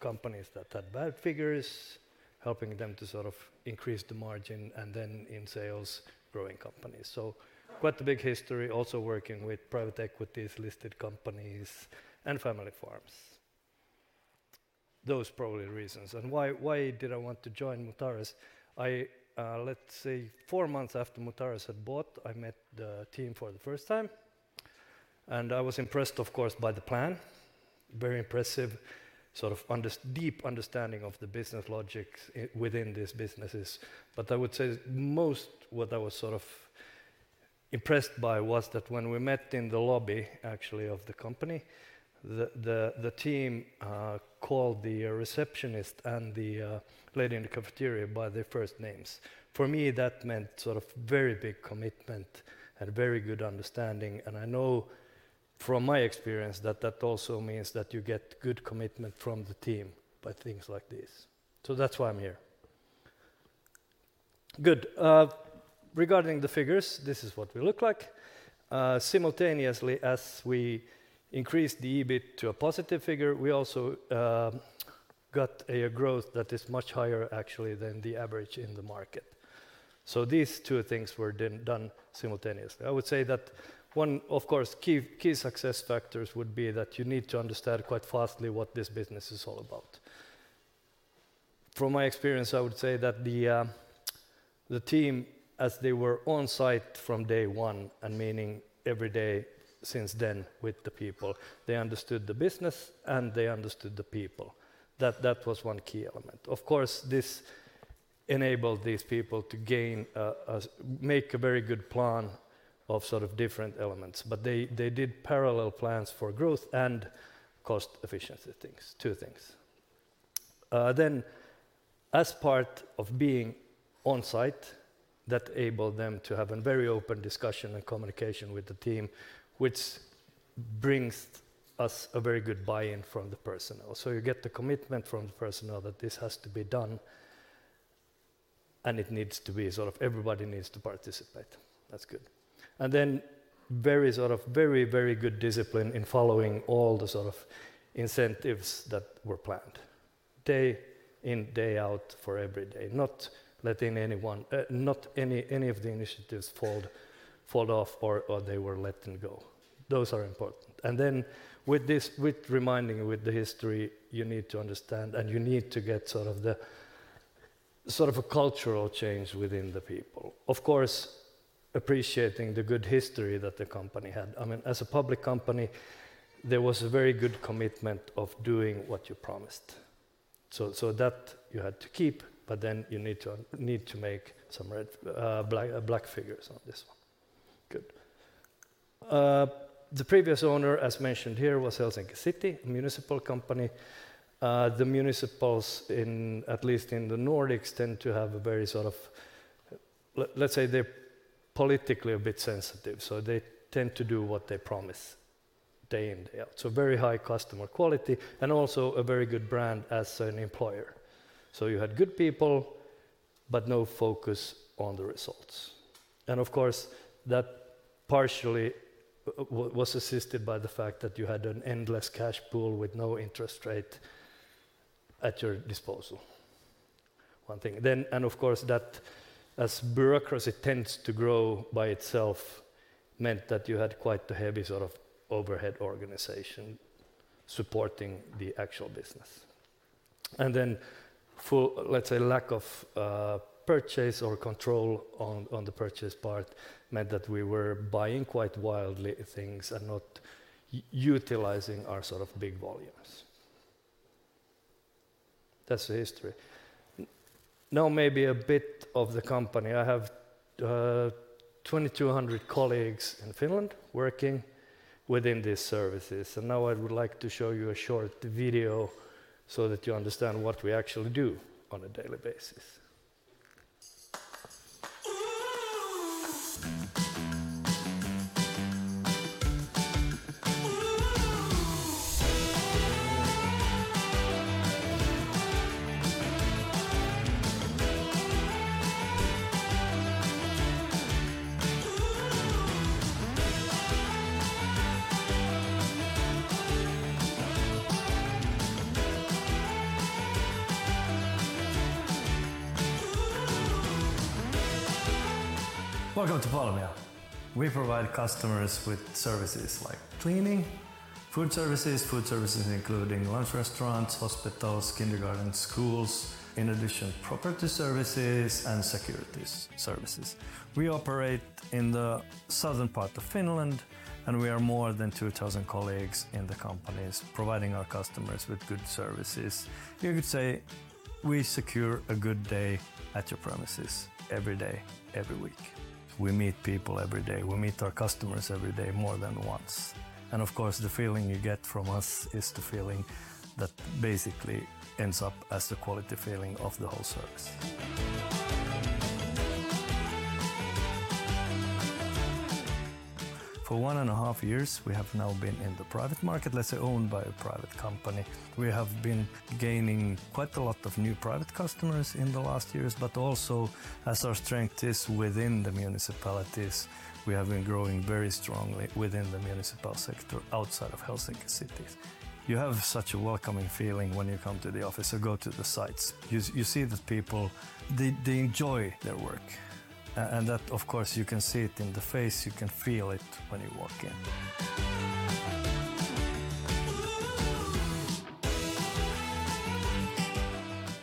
companies that had bad figures, helping them to increase the margin and then in sales, growing companies. So quite a big history, also working with private equities, listed companies, and family farms. Those are probably the reasons. And why did I want to join Mutares? Let's say four months after Mutares had bought, I met the team for the first time, and I was impressed, of course, by the plan. Very impressive, deep understanding of the business logics within these businesses. But I would say most what I was impressed by was that when we met in the lobby, actually, of the company, the team called the receptionist and the lady in the cafeteria by their first names. For me, that meant very big commitment and very good understanding, and I know from my experience that that also means that you get good commitment from the team by things like this. So that's why I'm here. Good. Regarding the figures, this is what we look like. Simultaneously, as we increased the EBIT to a positive figure, we also got a growth that is much higher, actually, than the average in the market. So these two things were then done simultaneously. I would say that one, of course, key success factors would be that you need to understand quite fast what this business is all about. From my experience, I would say that the team, as they were on site from day one, and meaning every day since then with the people, they understood the business, and they understood the people. That was one key element. Of course, this enabled these people to make a very good plan of different elements. But they did parallel plans for growth and cost efficiency things, two things. Then as part of being on site, that enabled them to have a very open discussion and communication with the team, which brings us a very good buy-in from the personnel. So you get the commitment from the personnel that this has to be done, and it needs to be, everybody needs to participate. That's good. And then very good discipline in following all the incentives that were planned, day in, day out, for every day. Not letting anyone not any of the initiatives fall off, or they were letting go. Those are important. And then with this, with reminding with the history, you need to understand, and you need to get a cultural change within the people. Of course, appreciating the good history that the company had. I mean, as a public company, there was a very good commitment of doing what you promised. So that you had to keep, but then you need to make some red, black figures on this one. Good. The previous owner, as mentioned here, was Helsinki City, a municipal company. The municipals in, at least in the Nordics, tend to have a very, let's say they're politically a bit sensitive, so they tend to do what they promise, day in, day out. So very high customer quality, and also a very good brand as an employer. So you had good people, but no focus on the results. Of course, that partially was assisted by the fact that you had an endless cash pool with no interest rate at your disposal. One thing. As bureaucracy tends to grow by itself, that meant that you had quite a heavy overhead organization supporting the actual business. And then for, let's say, lack of purchase or control on the purchase part, meant that we were buying quite wildly things and not utilizing our big volumes. That's the history. Now, maybe a bit of the company. I have 2,200 colleagues in Finland working within these services, and now I would like to show you a short video so that you understand what we actually do on a daily basis. Welcome to Palmia. We provide customers with services like cleaning, food services, food services including lunch, restaurants, hospitals, kindergarten, schools. In addition, property services and security services. We operate in the southern part of Finland, and we are more than 2,000 colleagues in the companies, providing our customers with good services. You could say we secure a good day at your premises every day, every week. We meet people every day. We meet our customers every day, more than once. And of course, the feeling you get from us is the feeling that basically ends up as the quality feeling of the whole service. For one and a half years, we have now been in the private market, let's say, owned by a private company. We have been gaining quite a lot of new private customers in the last years, but also, as our strength is within the municipalities, we have been growing very strongly within the municipal sector outside of Helsinki cities. You have such a welcoming feeling when you come to the office or go to the sites. You see the people, they enjoy their work, and that, of course, you can see it in the face, you can feel it when you walk in.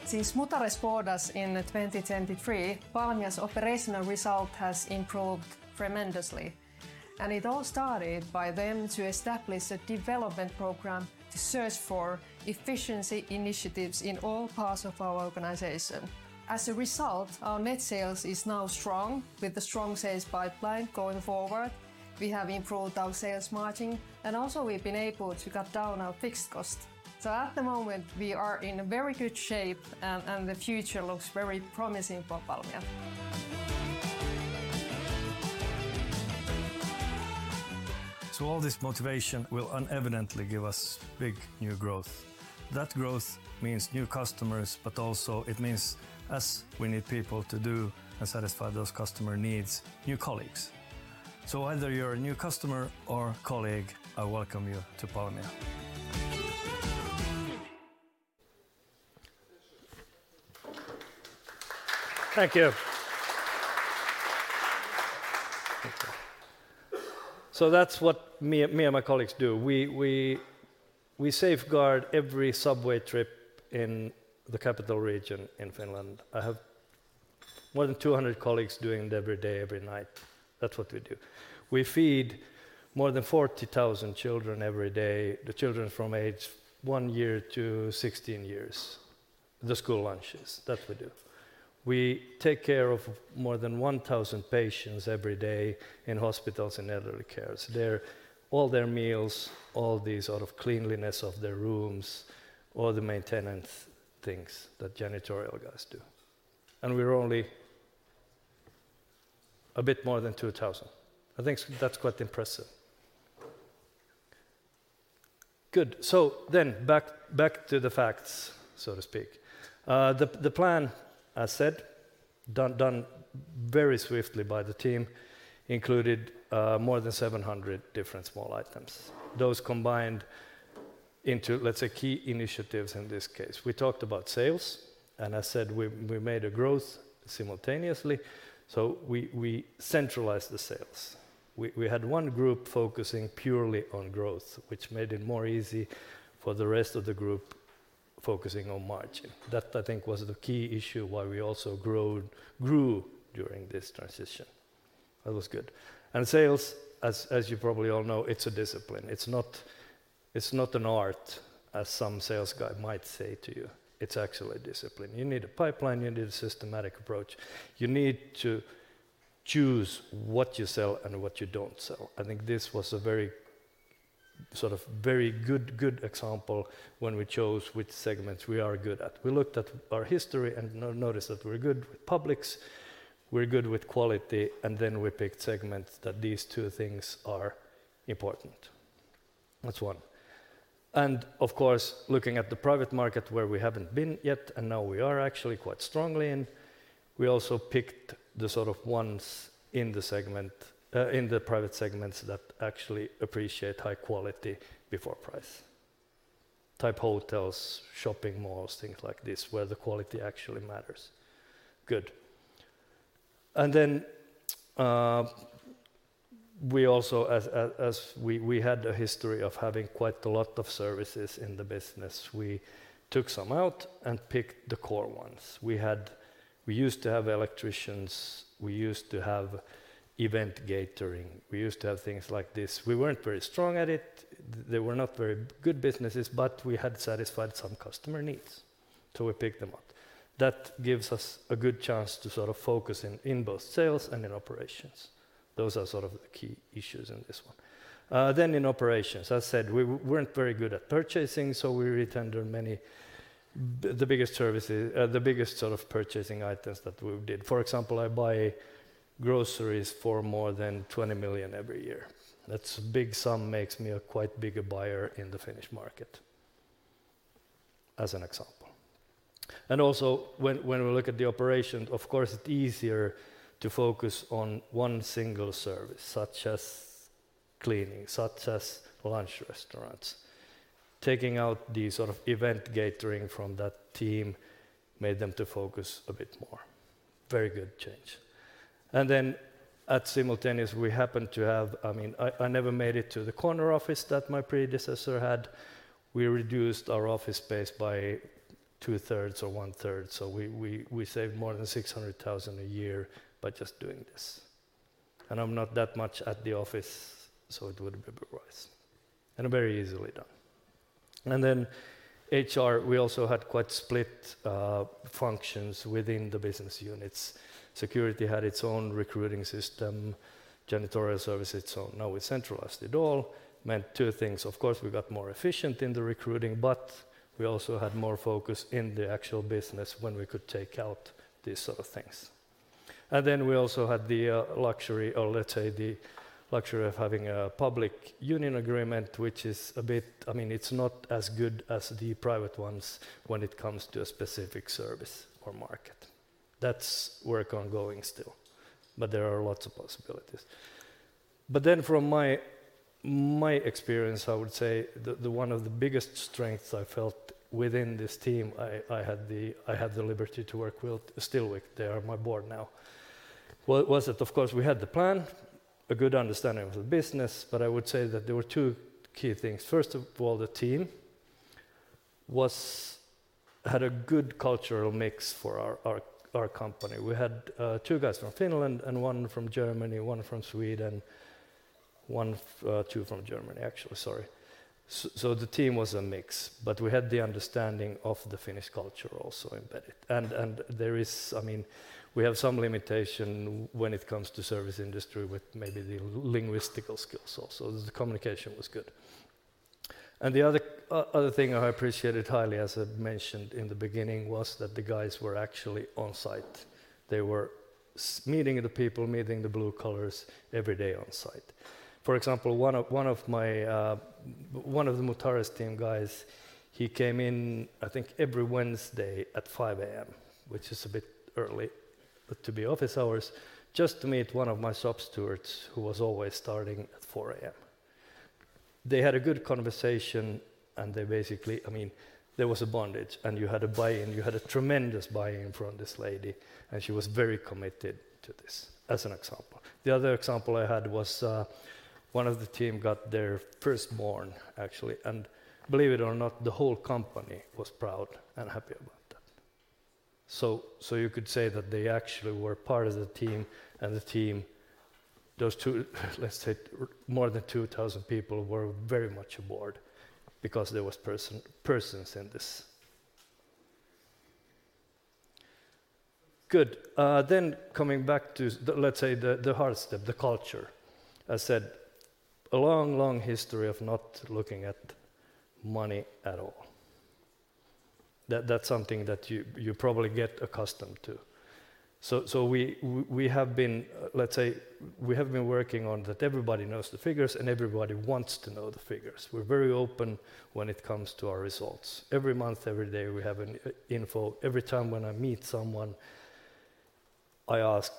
Since Mutares bought us in 2023, Palmia's operational result has improved tremendously. It all started by them to establish a development program to search for efficiency initiatives in all parts of our organization. As a result, our net sales is now strong, with a strong sales pipeline going forward. We have improved our sales margin, and also we've been able to cut down our fixed costs. At the moment, we are in a very good shape, and the future looks very promising for Palmia. So all this motivation will inevitably give us big new growth. That growth means new customers, but also it means us, we need people to do and satisfy those customer needs, new colleagues. So whether you're a new customer or colleague, I welcome you to Palmia. Thank you. So that's what me and my colleagues do. We safeguard every subway trip in the capital region in Finland. More than 200 colleagues doing it every day, every night. That's what we do. We feed more than 40,000 children every day, the children from age 1 year to 16 years. The school lunches, that we do. We take care of more than 1,000 patients every day in hospitals and elderly cares. All their meals, all these cleanliness of their rooms, all the maintenance things that janitorial guys do. And we're only a bit more than two thousand. That's quite impressive. Good. So then back to the facts, so to speak. The plan, as said, done very swiftly by the team, included more than seven hundred different small items. Those combined into, let's say, key initiatives in this case. We talked about sales, and I said we made a growth simultaneously, so we centralized the sales. We had one group focusing purely on growth, which made it more easy for the rest of the group focusing on margin. That was the key issue why we also grew during this transition. That was good. And sales, as you probably all know, it's a discipline. It's not an art, as some sales guy might say to you. It's actually a discipline. You need a pipeline, you need a systematic approach. You need to choose what you sell and what you don't sell. This was a very good example when we chose which segments we are good at. We looked at our history and noticed that we're good with publics, we're good with quality, and then we picked segments that these two things are important. That's one. And of course, looking at the private market, where we haven't been yet, and now we are actually quite strongly in, we also picked the ones in the segment, in the private segments that actually appreciate high quality before price. Type hotels, shopping malls, things like this, where the quality actually matters. Good. And then, we also, as we had a history of having quite a lot of services in the business. We took some out and picked the core ones. We had. We used to have electricians, we used to have event catering, we used to have things like this. We weren't very strong at it, they were not very good businesses, but we had satisfied some customer needs, so we picked them up. That gives us a good chance to focus in both sales and in operations. Those are the key issues in this one. Then in operations, I said we weren't very good at purchasing, so we retendered many. The biggest services, the biggest purchasing items that we did. For example, I buy groceries for more than 20 million every year. That's a big sum, makes me a quite bigger buyer in the Finnish market, as an example. And also, when we look at the operation, of course, it's easier to focus on one single service, such as cleaning, such as lunch restaurants. Taking out the event catering from that team made them to focus a bit more. Very good change. And then at simultaneous, we happened to have, I mean, I never made it to the corner office that my predecessor had. We reduced our office space by two-thirds or one-third, so we saved more than 600,000 a year by just doing this. And I'm not that much at the office, so it would be wise, and very easily done. And then HR, we also had quite split functions within the business units. Security had its own recruiting system, janitorial service its own. Now, we centralized it all. Meant two things: Of course, we got more efficient in the recruiting, but we also had more focus in the actual business when we could take out these things. And then we also had the luxury, or let's say, the luxury of having a public union agreement, which is a bit. I mean, it's not as good as the private ones when it comes to a specific service or market. That's work ongoing still, but there are lots of possibilities. But then from my experience, I would say the one of the biggest strengths I felt within this team. I had the liberty to work with Stöckl. They are my board now. Was it, of course, we had the plan, a good understanding of the business, but I would say that there were two key things. First of all, the team had a good cultural mix for our company. We had two guys from Finland and one from Germany, one from Sweden, two from Germany, actually, sorry. So the team was a mix, but we had the understanding of the Finnish culture also embedded. And I mean, we have some limitation when it comes to service industry with maybe the linguistic skills also. The communication was good. And the other thing I appreciated highly, as I mentioned in the beginning, was that the guys were actually on site. They were meeting the people, meeting the blue collars every day on site. For example, one of the Mutares team guys, he came in every Wednesday at 5:00 A.M., which is a bit early, but to be office hours, just to meet one of my shop stewards, who was always starting at 4:00 A.M. They had a good conversation, and they basically, I mean, there was a bonding, and you had a buy-in. You had a tremendous buy-in from this lady, and she was very committed to this, as an example. The other example I had was, one of the team got their firstborn, actually, and believe it or not, the whole company was proud and happy about that. You could say that they actually were part of the team, and the team, those two, let's say more than 2,000 people, were very much on board because there was person, persons in this. Good. Then coming back to the, let's say, the hard step, the culture. I said a long, long history of not looking at money at all. That's something that you probably get accustomed to. So we have been, let's say, working on that everybody knows the figures, and everybody wants to know the figures. We're very open when it comes to our results. Every month, every day, we have an info. Every time when I meet someone, I ask: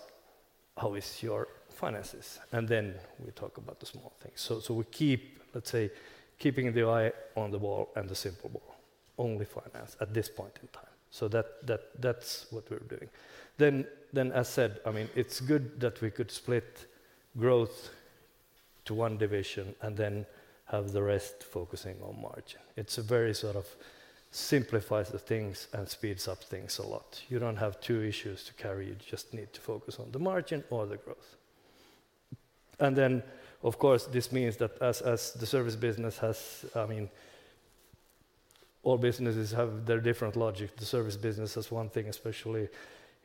"How is your finances?" And then we talk about the small things. So we keep, let's say, keeping the eye on the ball and the simple ball, only finance at this point in time. So that's what we're doing. Then, as said, I mean, it's good that we could split growth to one division and then have the rest focusing on margin. It's a very simplifies the things and speeds up things a lot. You don't have two issues to carry. You just need to focus on the margin or the growth. And then, of course, this means that as the service business has, I mean all businesses have their different logic. The service business is one thing, especially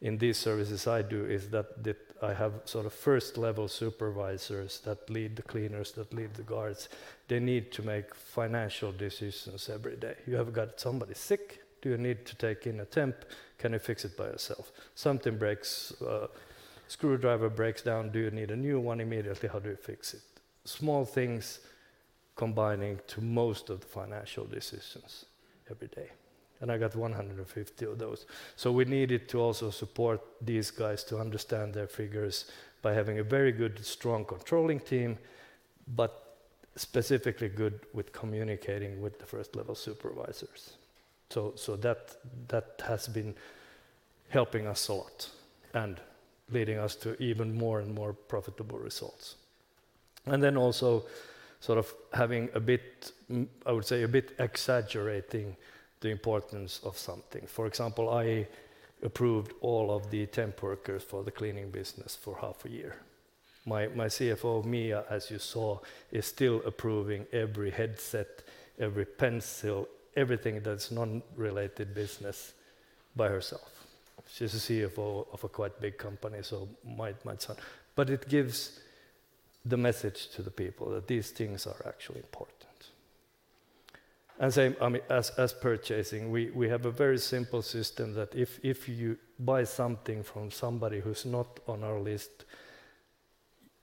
in these services I do, is that the I have first-level supervisors that lead the cleaners, that lead the guards. They need to make financial decisions every day. You have got somebody sick, do you need to take in a temp? Can you fix it by yourself? Something breaks, screwdriver breaks down, do you need a new one immediately? How do you fix it? Small things combining to most of the financial decisions every day, and I got 150 of those. So we needed to also support these guys to understand their figures by having a very good, strong controlling team, but specifically good with communicating with the first-level supervisors. So that has been helping us a lot and leading us to even more and more profitable results. And then also, having a bit, I would say, a bit exaggerating the importance of something. For example, I approved all of the temp workers for the cleaning business for half a year. My CFO, Mika, as you saw, is still approving every headset, every pencil, everything that's non-related business by herself. She's a CFO of a quite big company, so might sound But it gives the message to the people that these things are actually important. And same, I mean, as purchasing, we have a very simple system that if you buy something from somebody who's not on our list,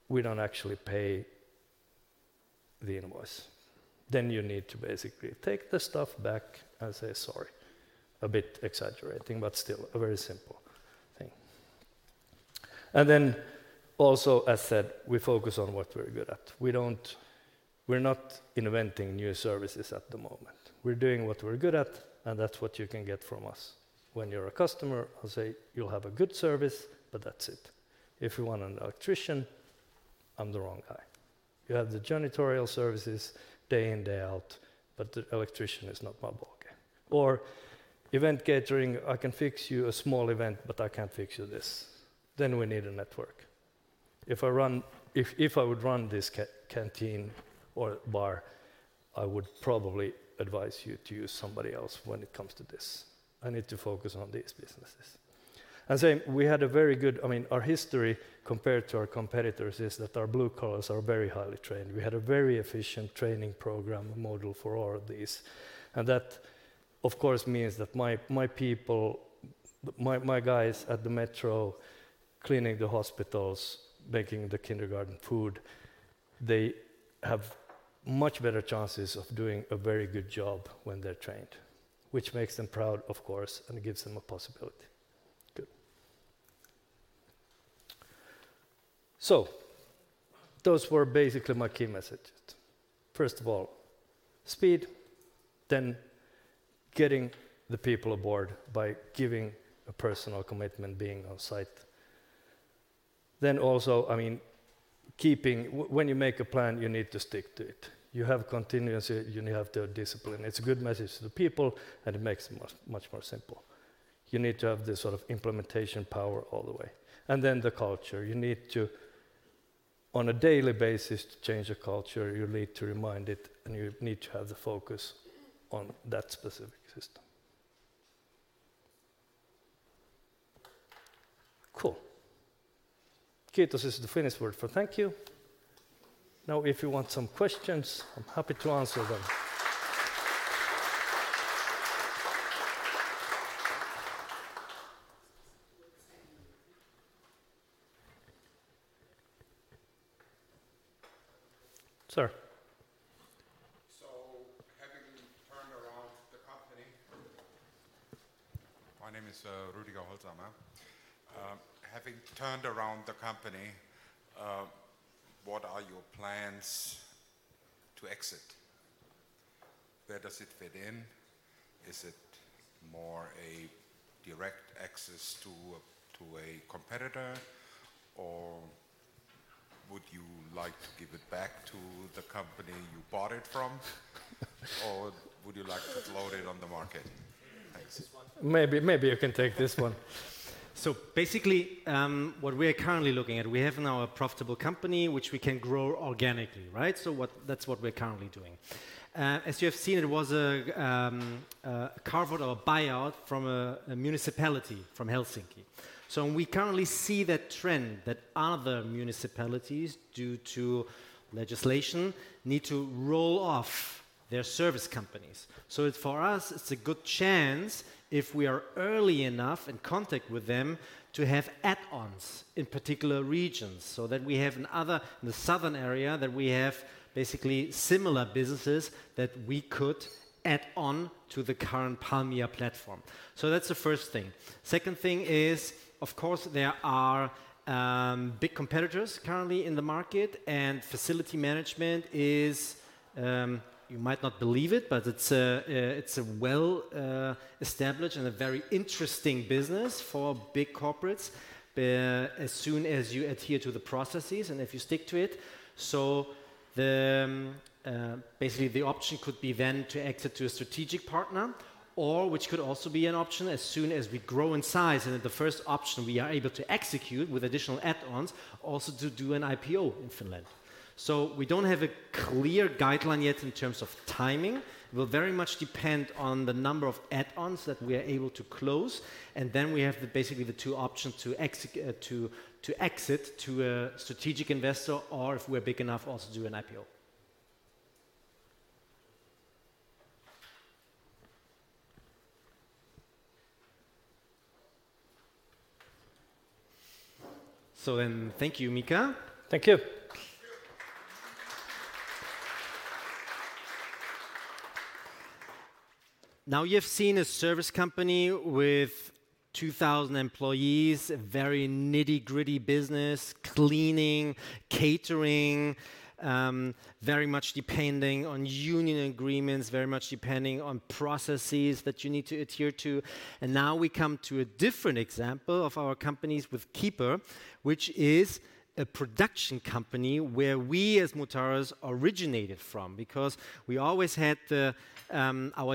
we don't actually pay the invoice. Then you need to basically take the stuff back and say sorry. A bit exaggerating, but still a very simple thing. And then also, as said, we focus on what we're good at. We're not inventing new services at the moment. We're doing what we're good at, and that's what you can get from us. When you're a customer, I'll say, "You'll have a good service, but that's it." If you want an electrician, I'm the wrong guy. You have the janitorial services, day in, day out, but the electrician is not my ballgame. Or event catering, I can fix you a small event, but I can't fix you this. Then we need a network. If I run - if I would run this canteen or bar, I would probably advise you to use somebody else when it comes to this. I need to focus on these businesses. And same, we had a very good, our history, compared to our competitors, is that our blue collars are very highly trained. We had a very efficient training program module for all of these. And that, of course, means that my people, my guys at the metro, cleaning the hospitals, making the kindergarten food, they have much better chances of doing a very good job when they're trained, which makes them proud, of course, and gives them a possibility. Good. So those were basically my key messages. First of all, speed, then getting the people aboard by giving a personal commitment, being on site. Then also, I mean, keeping when you make a plan, you need to stick to it. You have continuity, and you have the discipline. It's a good message to the people, and it makes it much, much more simple. You need to have this implementation power all the way. And then the culture. You need to, on a daily basis, to change a culture, you need to remind it, and you need to have the focus on that specific system. Cool. Kiitos is the Finnish word for thank you. Now, if you want some questions, I'm happy to answer them. Sir. My name is Rüdiger Holzhammer. Having turned around the company, what are your plans to exit? Where does it fit in? Is it more a direct access to a competitor or would you like to give it back to the company you bought it from? Or would you like to float it on the market? Thanks. Maybe, maybe I can take this one. So basically, what we are currently looking at, we have now a profitable company which we can grow organically, right? That's what we're currently doing. As you have seen, it was a carve-out or a buyout from a municipality, from Helsinki. So we currently see that trend that other municipalities, due to legislation, need to roll off their service companies. So it's for us, it's a good chance, if we are early enough in contact with them, to have add-ons in particular regions, so that we have in other, in the southern area, that we have basically similar businesses that we could add on to the current Palmia platform. So that's the first thing. Second thing is, of course, there are big competitors currently in the market, and facility management is, you might not believe it, but it's a well established and a very interesting business for big corporates, as soon as you adhere to the processes and if you stick to it. So basically, the option could be then to exit to a strategic partner, or which could also be an option as soon as we grow in size, and the first option we are able to execute with additional add-ons, also to do an IPO in Finland. So we don't have a clear guideline yet in terms of timing. It will very much depend on the number of add-ons that we are able to close, and then we have basically the two options to exit to a strategic investor or, if we're big enough, also do an IPO. So then thank you, Mika. Thank you. Now you've seen a service company with 2,000 employees, a very nitty-gritty business, cleaning, catering, very much depending on union agreements, very much depending on processes that you need to adhere to, and now we come to a different example of our companies with keeeper, which is a production company where we, as Mutares, originated from. Because our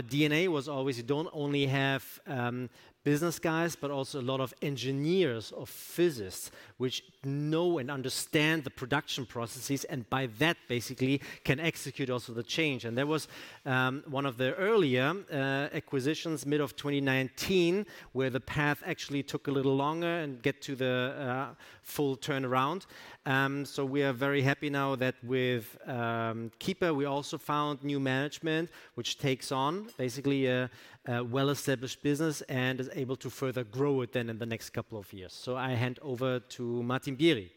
DNA was always, you don't only have business guys, but also a lot of engineers or physicists, which know and understand the production processes, and by that, basically can execute also the change, and there was one of the earlier acquisitions, mid-2019, where the path actually took a little longer and get to the full turnaround. So we are very happy now that with keeeper, we also found new management, which takes on basically a well-established business and is able to further grow it then in the next couple of years. So I hand over to Martin Bieri.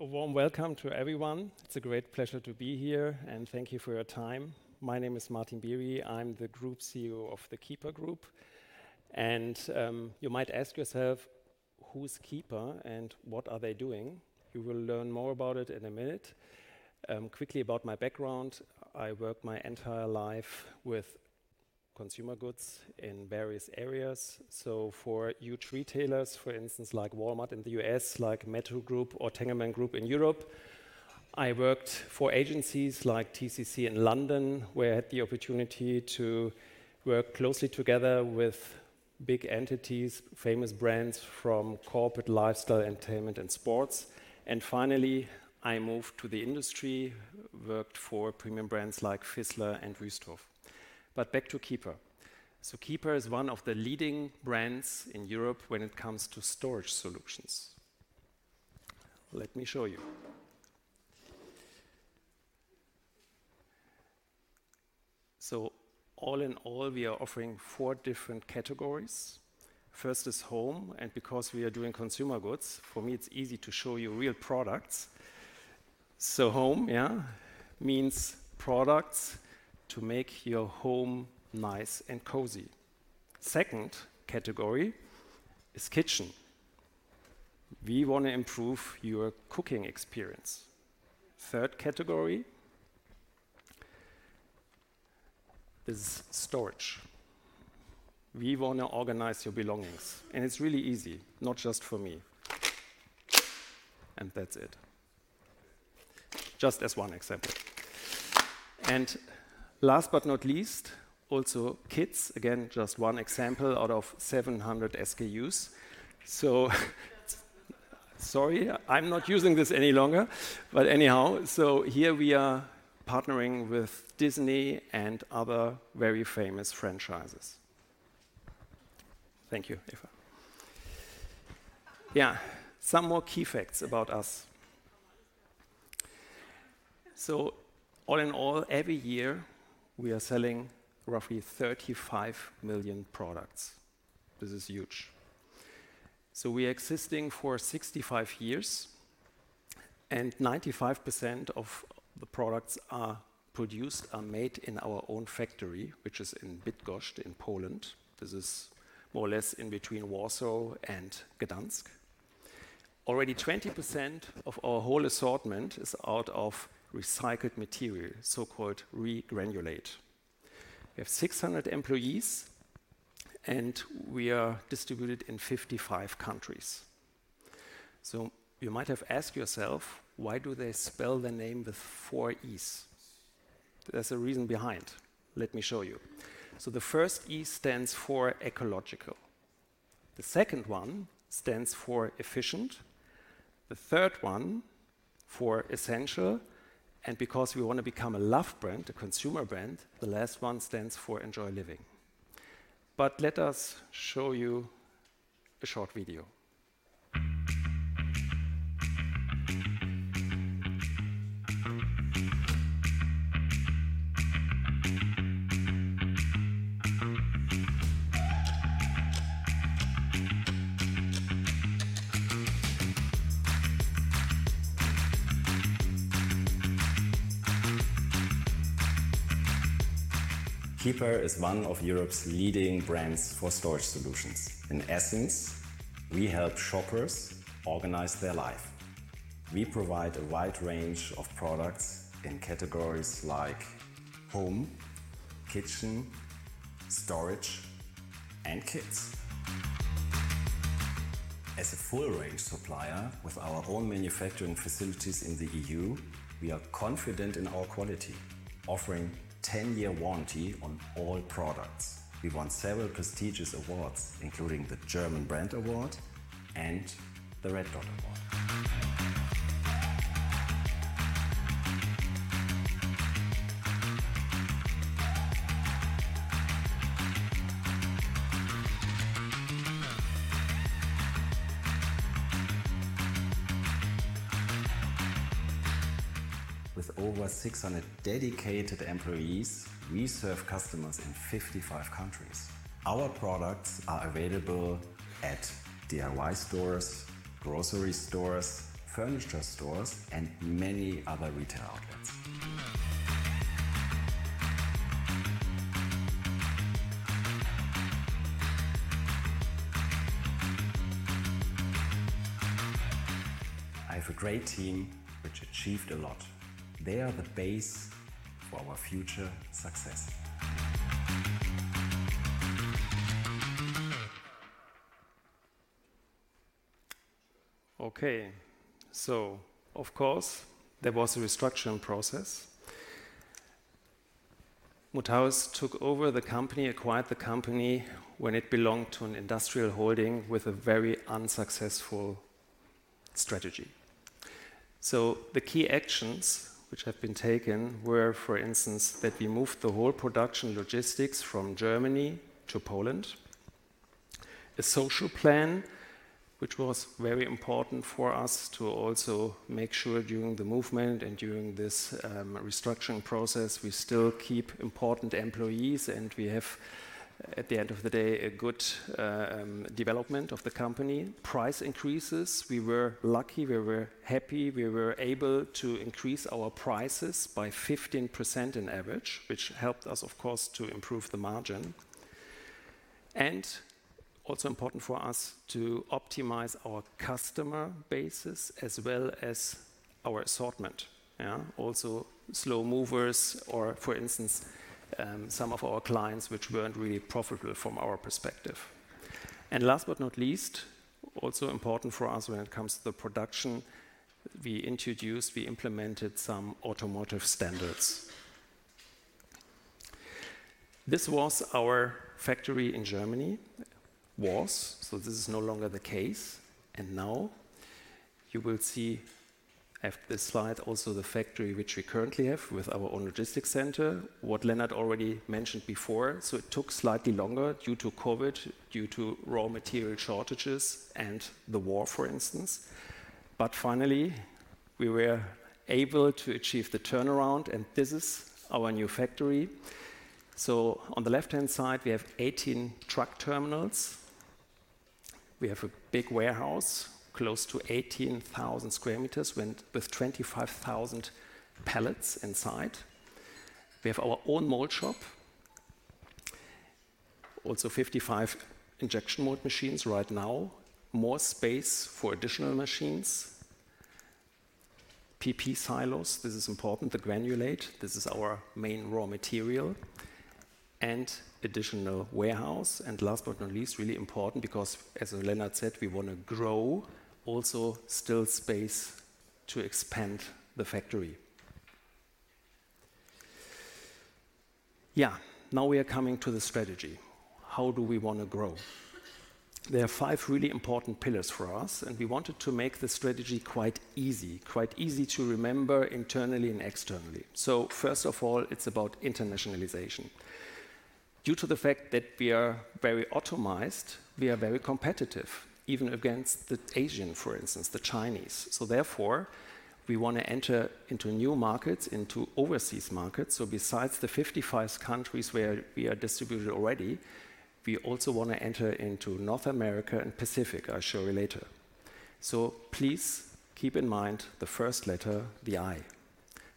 A warm welcome to everyone. It's a great pleasure to be here, and thank you for your time. My name is Martin Bieri. I'm the Group CEO of the keeeper Group. And, you might ask yourself: Who's keeeper, and what are they doing? You will learn more about it in a minute. Quickly about my background, I worked my entire life with consumer goods in various areas. So for huge retailers, for instance, like Walmart in the US, like Metro Group or Tengelmann Group in Europe. I worked for agencies like TCC in London, where I had the opportunity to work closely together with big entities, famous brands from corporate, lifestyle, entertainment, and sports. And finally, I moved to the industry, worked for premium brands like Fissler and Wüsthof. But back to keeeper. keeeper is one of the leading brands in Europe when it comes to storage solutions. Let me show you. So all in all, we are offering four different categories. First is home, and because we are doing consumer goods, for me, it's easy to show you real products. So home means products to make your home nice and cozy. Second category is kitchen. We wanna improve your cooking experience. Third category is storage. We wanna organize your belongings, and it's really easy, not just for me. And that's it. Just as one example. And last but not least, also kids. Again, just one example out of 700 SKUs. So sorry, I'm not using this any longer. But anyhow, so here we are partnering with Disney and other very famous franchises. Thank you, Eva. Some more key facts about us. All in all, every year, we are selling roughly 35 million products. This is huge. We are existing for 65 years, and 95% of the products are produced, are made in our own factory, which is in Bydgoszcz, in Poland. This is more or less in between Warsaw and Gdańsk. Already 20% of our whole assortment is out of recycled material, so-called regranulate. We have 600 employees, and we are distributed in 55 countries. You might have asked yourself, "Why do they spell their name with four e's?" There's a reason behind. Let me show you. The first e stands for ecological. The second one stands for efficient, the third one for essential, and because we wanna become a loved brand, a consumer brand, the last one stands for enjoy living. Let us show you a short video. keeeper is one of Europe's leading brands for storage solutions. In essence, we help shoppers organize their life. We provide a wide range of products in categories like home, kitchen, storage, and kids. As a full-range supplier with our own manufacturing facilities in the EU, we are confident in our quality, offering 10-year warranty on all products. We won several prestigious awards, including the German Brand Award and the Red Dot Award. With over 600 dedicated employees, we serve customers in 55 countries. Our products are available at DIY stores, grocery stores, furniture stores, and many other retail outlets. I have a great team, which achieved a lot. They are the base for our future success. Okay, so of course, there was a restructuring process. Mutares took over the company, acquired the company when it belonged to an industrial holding with a very unsuccessful strategy. So the key actions which have been taken were, for instance, that we moved the whole production logistics from Germany to Poland. A social plan, which was very important for us to also make sure during the movement and during this restructuring process, we still keep important employees, and we have, at the end of the day, a good development of the company. Price increases, we were lucky, we were happy, we were able to increase our prices by 15% on average, which helped us, of course, to improve the margin. And also important for us to optimize our customer bases as well as our assortment. Also slow movers or, for instance, some of our clients, which weren't really profitable from our perspective, and last but not least, also important for us when it comes to the production, we implemented some automotive standards. This was our factory in Germany, so this is no longer the case, and now you will see at this slide also the factory which we currently have with our own logistics center, what Lennart already mentioned before, so it took slightly longer due to COVID, due to raw material shortages and the war, for instance, but finally, we were able to achieve the turnaround, and this is our new factory. On the left-hand side, we have 18 truck terminals. We have a big warehouse, close to 18,000 sq m with 25,000 pallets inside. We have our own mold shop. Also, 55 injection mold machines right now. More space for additional machines. PP silos; this is important, the granulate, this is our main raw material, and additional warehouse. Last but not least, really important because, as Lennart said, we wanna grow; also still space to expand the factory. Now we are coming to the strategy. How do we wanna grow? There are five really important pillars for us, and we wanted to make the strategy quite easy, quite easy to remember internally and externally. First of all, it's about internationalization. Due to the fact that we are very automated, we are very competitive, even against the Asian, for instance, the Chinese. Therefore, we wanna enter into new markets, into overseas markets. Besides the 55 countries where we are distributed already, we also wanna enter into North America and Pacific. I'll show you later. Please keep in mind the first letter, the I.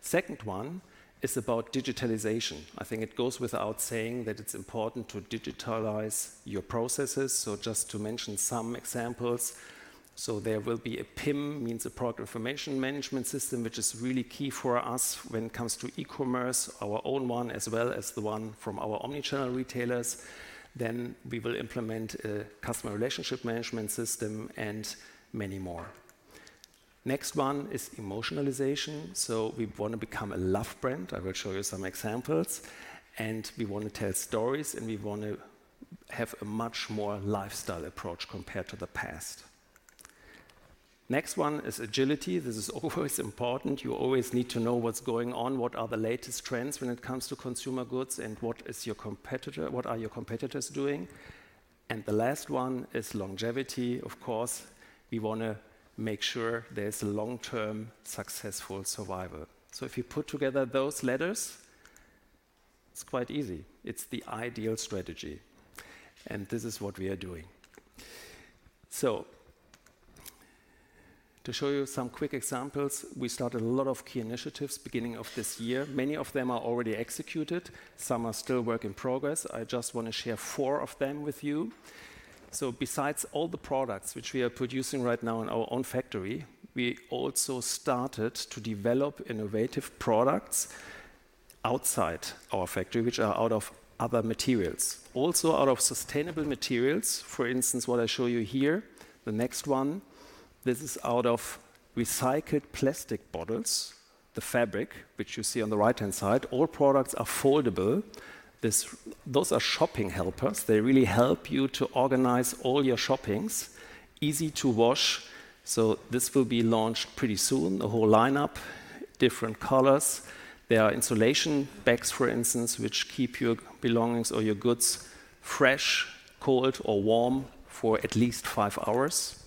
Second one is about digitalization. It goes without saying that it's important to digitalize your processes. Just to mention some examples, there will be a PIM, means a product information management system, which is really key for us when it comes to e-commerce, our own one, as well as the one from our omni-channel retailers. Then we will implement a customer relationship management system, and many more. Next one is emotionalization. We wanna become a love brand. I will show you some examples. We wanna tell stories, and we wanna have a much more lifestyle approach compared to the past. Next one is agility. This is always important. You always need to know what's going on, what are the latest trends when it comes to consumer goods, and what is your competitor, what are your competitors doing? And the last one is longevity. Of course, we wanna make sure there's a long-term, successful survival. So if you put together those letters, it's quite easy. It's the ideal strategy, and this is what we are doing. So to show you some quick examples, we started a lot of key initiatives beginning of this year. Many of them are already executed, some are still work in progress. I just wanna share four of them with you. So besides all the products which we are producing right now in our own factory, we also started to develop innovative products outside our factory, which are out of other materials, also out of sustainable materials. For instance, what I show you here, the next one, this is out of recycled plastic bottles. The fabric, which you see on the right-hand side, all products are foldable. Those are shopping helpers. They really help you to organize all your shoppings. Easy to wash, so this will be launched pretty soon, a whole lineup, different colors. There are insulation bags, for instance, which keep your belongings or your goods fresh, cold or warm, for at least five hours.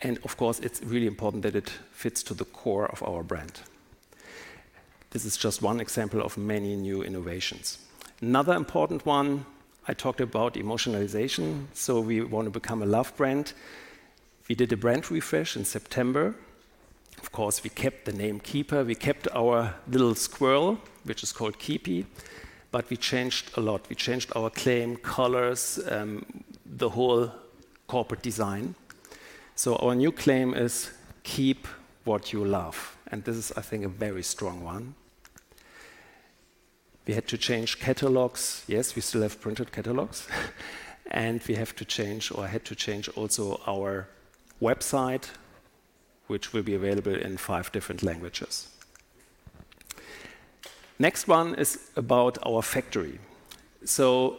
And of course, it's really important that it fits to the core of our brand. This is just one example of many new innovations. Another important one, I talked about emotionalization, so we want to become a love brand. We did a brand refresh in September. Of course, we kept the name keeeper. We kept our little squirrel, which is called Keepy, but we changed a lot. We changed our claim, colors, the whole corporate design. So our new claim is, "Keep what you love," and this is a very strong one. We had to change catalogs. Yes, we still have printed catalogs. And we have to change, or I had to change also our website, which will be available in five different languages. Next one is about our factory. So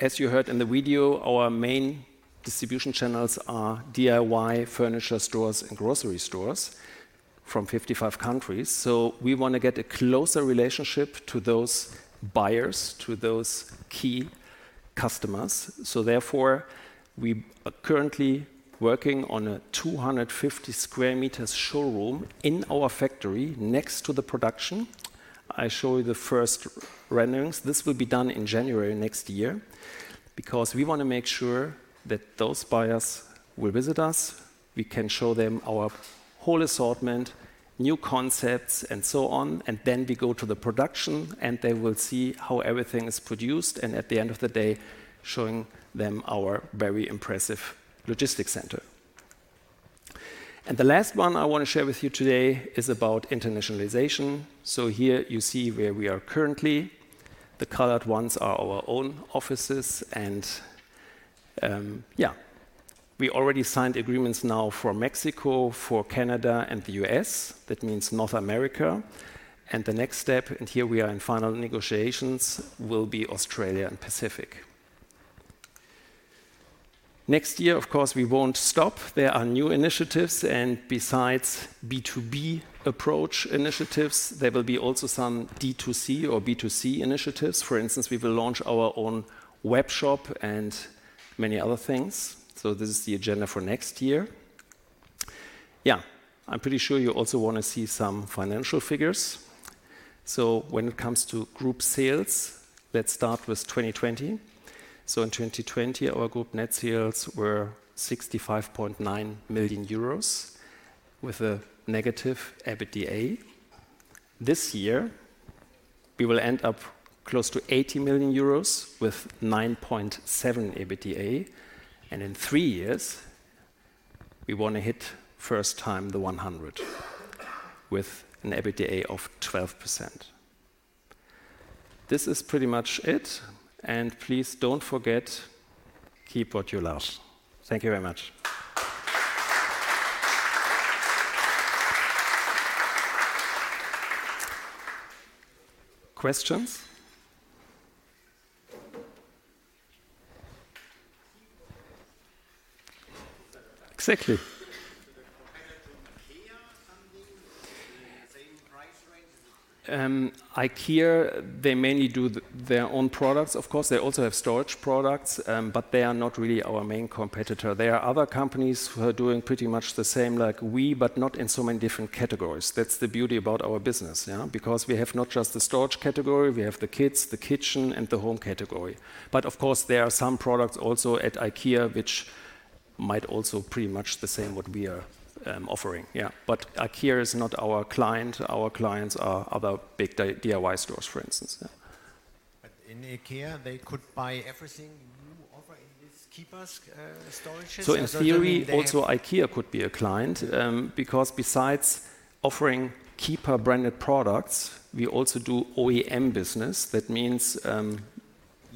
as you heard in the video, our main distribution channels are DIY furniture stores and grocery stores from 55 countries. So we wanna get a closer relationship to those buyers, to those key customers. So therefore, we are currently working on a 250 square meters showroom in our factory next to the production. I show you the first renderings. This will be done in January next year, because we wanna make sure that those buyers will visit us. We can show them our whole assortment, new concepts, and so on and then we go to the production, and they will see how everything is produced, and at the end of the day, showing them our very impressive logistics center and the last one I wanna share with you today is about internationalization, so here you see where we are currently. The colored ones are our own offices, and we already signed agreements now for Mexico, for Canada, and the US. That means North America and the next step, and here we are in final negotiations, will be Australia and Pacific. Next year, of course, we won't stop. There are new initiatives, and besides B2B approach initiatives, there will be also some D2C or B2C initiatives. For instance, we will launch our own web shop and many other things, so this is the agenda for next year. I'm pretty sure you also wanna see some financial figures. So when it comes to group sales, let's start with 2020. So in 2020, our group net sales were 65.9 million euros, with a negative EBITDA. This year, we will end up close to 80 million euros, with 9.7 EBITDA, and in three years, we wanna hit for the first time the 100, with an EBITDA of 12%. This is pretty much it, and please don't forget, keep what you love. Thank you very much. Questions? Exactly. IKEA, same price range? IKEA, they mainly do their own products. Of course, they also have storage products, but they are not really our main competitor. There are other companies who are doing pretty much the same like we, but not in so many different categories. That's the beauty about our business, because we have not just the storage category, we have the kids, the kitchen, and the home category. But of course, there are some products also at IKEA which might also pretty much the same what we are offering. But IKEA is not our client. Our clients are other big DIY stores, for instance. But in IKEA, they could buy everything you offer in this keeeper's storage chest? So in theory, also IKEA could be a client, because besides offering keeeper-branded products, we also do OEM business. That means,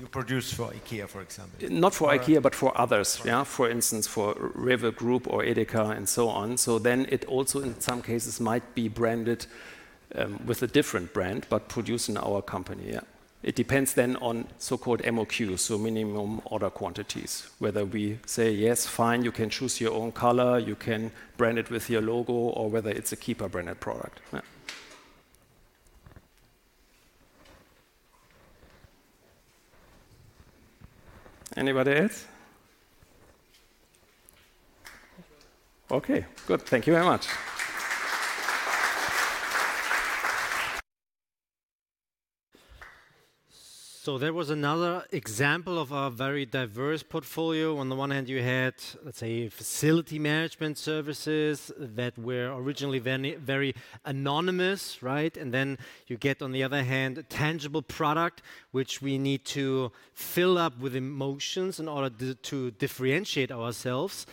You produce for IKEA, for example. Not for IKEA, but for others. Okay. For instance, for REWE Group or EDEKA, and so on. So then it also, in some cases, might be branded with a different brand, but produced in our company. It depends then on so-called MOQ, so minimum order quantities, whether we say: "Yes, fine, you can choose your own color, you can brand it with your logo," or whether it's a keeeper-branded product. Anybody else? Okay, good. Thank you very much. There was another example of a very diverse portfolio. On the one hand, you had, let's say, facility management services that were originally very, very anonymous, right? And then you get, on the other hand, a tangible product, which we need to fill up with emotions in order to to differentiate ourselves.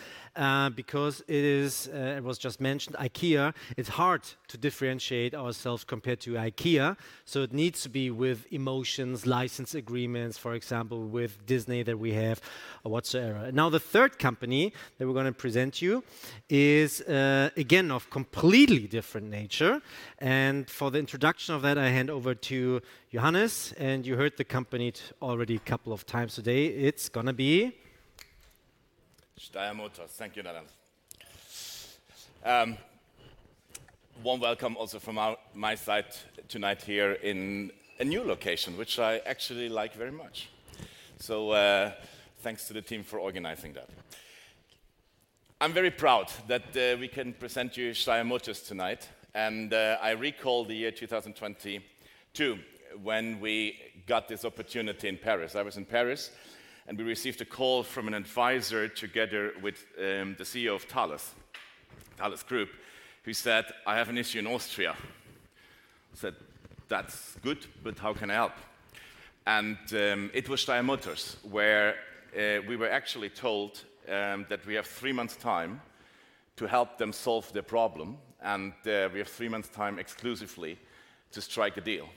Because it is, it was just mentioned, IKEA, it's hard to differentiate ourselves compared to IKEA, so it needs to be with emotions, license agreements, for example, with Disney, that we have or whatsoever. Now, the third company that we're gonna present to you is, again, of completely different nature, and for the introduction of that, I hand over to Johannes. And you heard the company already a couple of times today. It's gonna be Steyr Motors. Thank you, Laurence. Warm welcome also from my side tonight here in a new location, which I actually like very much. So, thanks to the team for organizing that. I'm very proud that we can present to you Steyr Motors tonight. I recall the year 2022, when we got this opportunity in Paris. I was in Paris, and we received a call from an advisor together with the CEO of Thales, Thales Group, who said, "I have an issue in Austria." I said, "That's good, but how can I help?" It was Steyr Motors, where we were actually told that we have three months' time to help them solve their problem, and we have three months' time exclusively to strike a deal.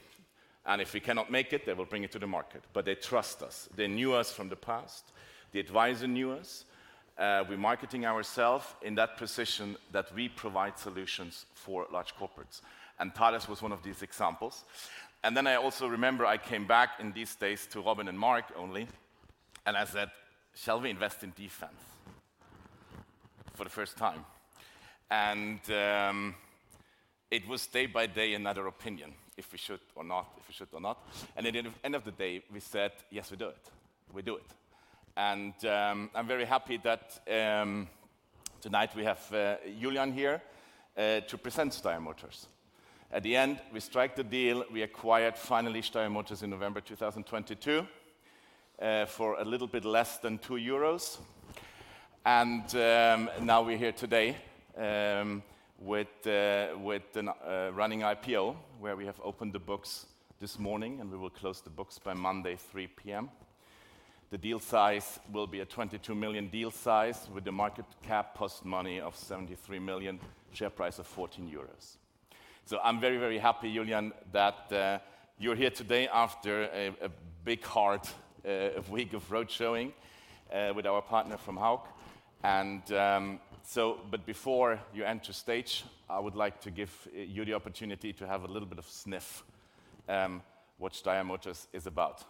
And if we cannot make it, they will bring it to the market. But they trust us. They knew us from the past. The advisor knew us. We're marketing ourselves in that position that we provide solutions for large corporates, and Thales was one of these examples. And then I also remember I came back in these days to Robin and Mark only, and I said, "Shall we invest in defense for the first time?" And it was day by day another opinion, if we should or not, if we should or not. And at the end of the day, we said, "Yes, we do it. We do it." And I'm very happy that tonight we have Julian here to present Steyr Motors. At the end, we strike the deal. We acquired, finally, Steyr Motors in November 2022, for a little bit less than 2 euros. And, now we're here today, with a running IPO, where we have opened the books this morning, and we will close the books by Monday, 3:00 P.M. The deal size will be a 22 million deal size, with a market cap post-money of 73 million, share price of 14 euros. So I'm very, very happy, Julian, that you're here today after a big, hard week of road showing, with our partner from Hauck. But before you enter stage, I would like to give you the opportunity to have a little bit of sniff, what Steyr Motors is about.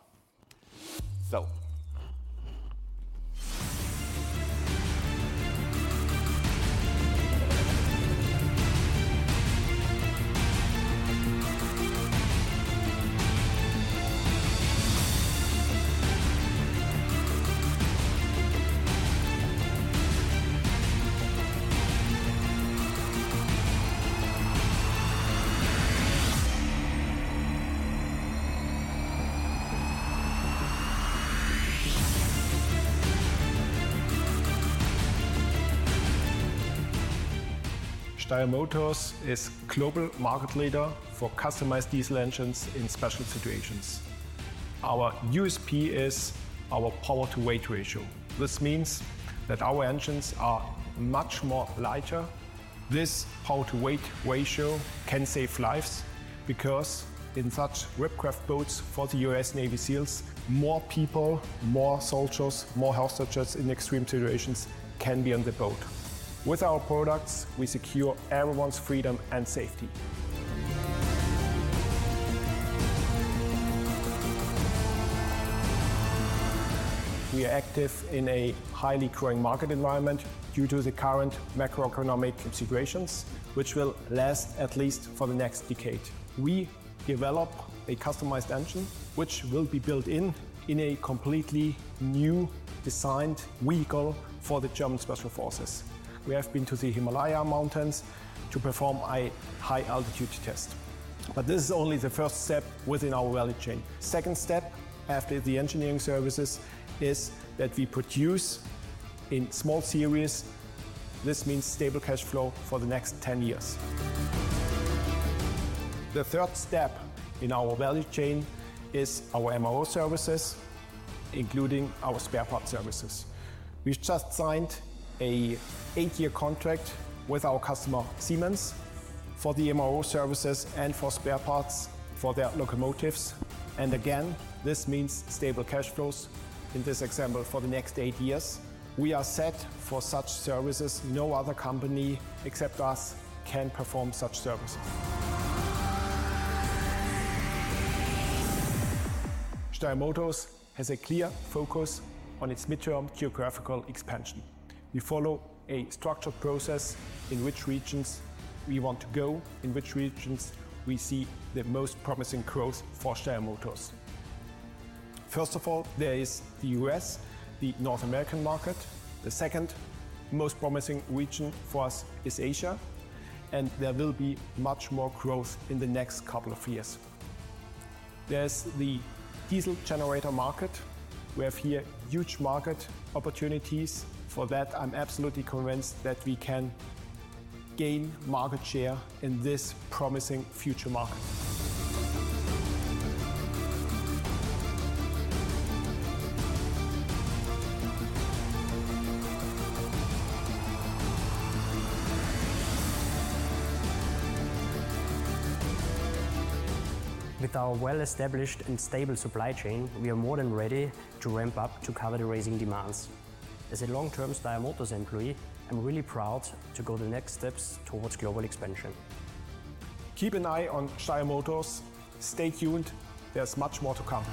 Steyr Motors is global market leader for customized diesel engines in special situations. Our USP is our power-to-weight ratio. This means that our engines are much more lighter. This power-to-weight ratio can save lives, because in such RHIB craft boats for the US Navy SEALs, more people, more soldiers, more health soldiers in extreme situations can be on the boat. With our products, we secure everyone's freedom and safety. We are active in a highly growing market environment due to the current macroeconomic situations, which will last at least for the next decade. We develop a customized engine, which will be built in a completely new designed vehicle for the German Special Forces. We have been to the Himalaya Mountains to perform a high-altitude test. But this is only the first step within our value chain. Second step, after the engineering services, is that we produce in small series. This means stable cash flow for the next 10 years. The third step in our value chain is our MRO services, including our spare parts services. We've just signed an 8-year contract with our customer, Siemens, for the MRO services and for spare parts for their locomotives. And again, this means stable cash flows, in this example, for the next 8 years. We are set for such services. No other company, except us, can perform such services. Steyr Motors has a clear focus on its midterm geographical expansion. We follow a structured process, in which regions we want to go, in which regions we see the most promising growth for Steyr Motors. First of all, there is the U.S., the North American market. The second most promising region for us is Asia, and there will be much more growth in the next couple of years. There's the diesel generator market. We have here huge market opportunities. For that, I'm absolutely convinced that we can gain market share in this promising future market. With our well-established and stable supply chain, we are more than ready to ramp up to cover the rising demands. As a long-term Steyr Motors employee, I'm really proud to go the next steps towards global expansion. Keep an eye on Steyr Motors. Stay tuned, there's much more to come.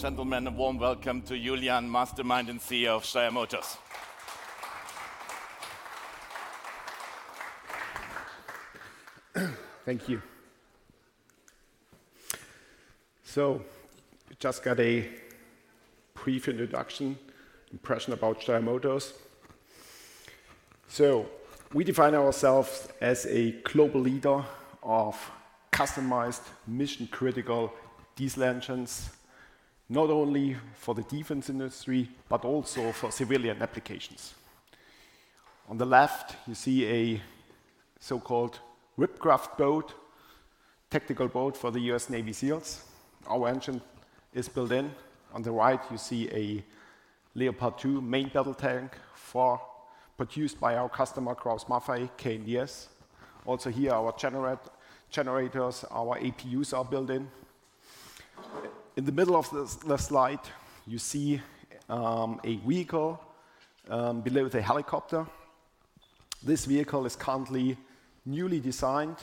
So, ladies and gentlemen, a warm welcome to Julian, mastermind and CEO of Steyr Motors. Thank you. So you just got a brief introduction, impression about Steyr Motors. So we define ourselves as a global leader of customized, mission-critical diesel engines, not only for the defense industry, but also for civilian applications. On the left, you see a so-called RHIB craft boat, tactical boat for the U.S. Navy SEALs. Our engine is built in. On the right, you see a Leopard 2 main battle tank for produced by our customer, Krauss-Maffei KNDS. Also, here, our generators, our APUs are built in. In the middle of the slide, you see a vehicle below with a helicopter. This vehicle is currently newly designed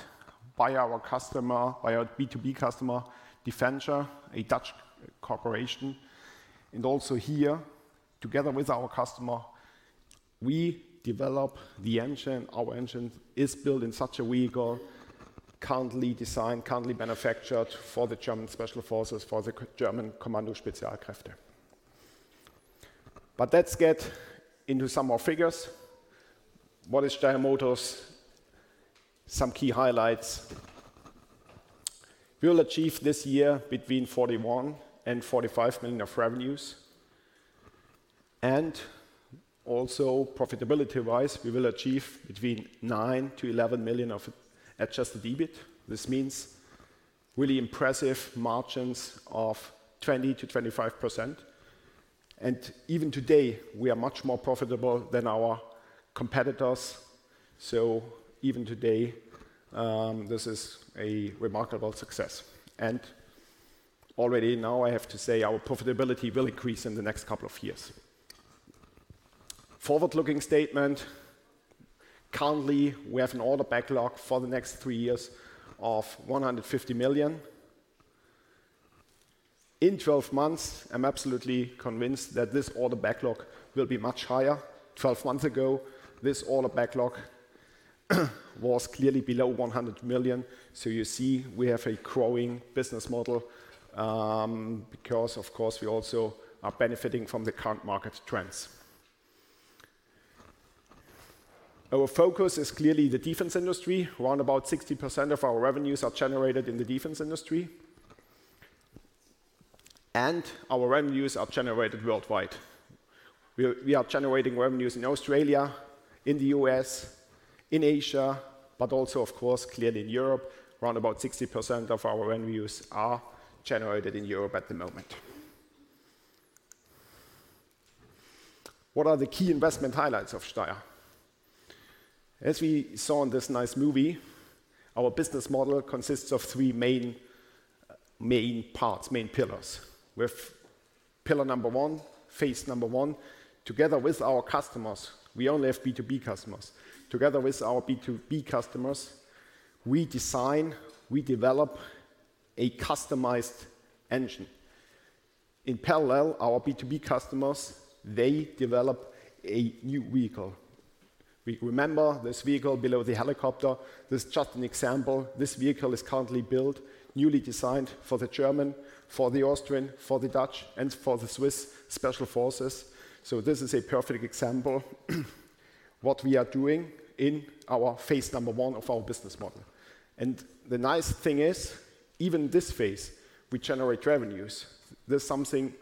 by our customer, by our B2B customer, Defenture, a Dutch corporation. And also here, together with our customer, we develop the engine. Our engine is built in such a vehicle, currently designed, currently manufactured for the German Special Forces, for the German Kommando Spezialkräfte. But let's get into some more figures. What is Steyr Motors? Some key highlights. We will achieve this year between 41-45 million of revenues. And also, profitability-wise, we will achieve between 9-11 million of adjusted EBIT. This means really impressive margins of 20%-25%. And even today, we are much more profitable than our competitors. So even today, this is a remarkable success. And already now, I have to say, our profitability will increase in the next couple of years. Forward-looking statement: currently, we have an order backlog for the next three years of 150 million. In 12 months, I'm absolutely convinced that this order backlog will be much higher. Twelve months ago, this order backlog was clearly below 100 million. So you see, we have a growing business model, because, of course, we also are benefiting from the current market trends. Our focus is clearly the defense industry. Round about 60% of our revenues are generated in the defense industry. And our revenues are generated worldwide. We are generating revenues in Australia, in the US, in Asia, but also, of course, clearly in Europe. Round about 60% of our revenues are generated in Europe at the moment. What are the key investment highlights of Steyr? As we saw in this nice movie, our business model consists of three main parts, main pillars. With pillar number one, phase number one, together with our customers, we only have B2B customers. Together with our B2B customers, we design, we develop a customized engine. In parallel, our B2B customers, they develop a new vehicle. We remember this vehicle below the helicopter, this is just an example. This vehicle is currently built, newly designed for the German, for the Austrian, for the Dutch, and for the Swiss Special Forces. So this is a perfect example, what we are doing in our phase number one of our business model. And the nice thing is, even this phase, we generate revenues. This is something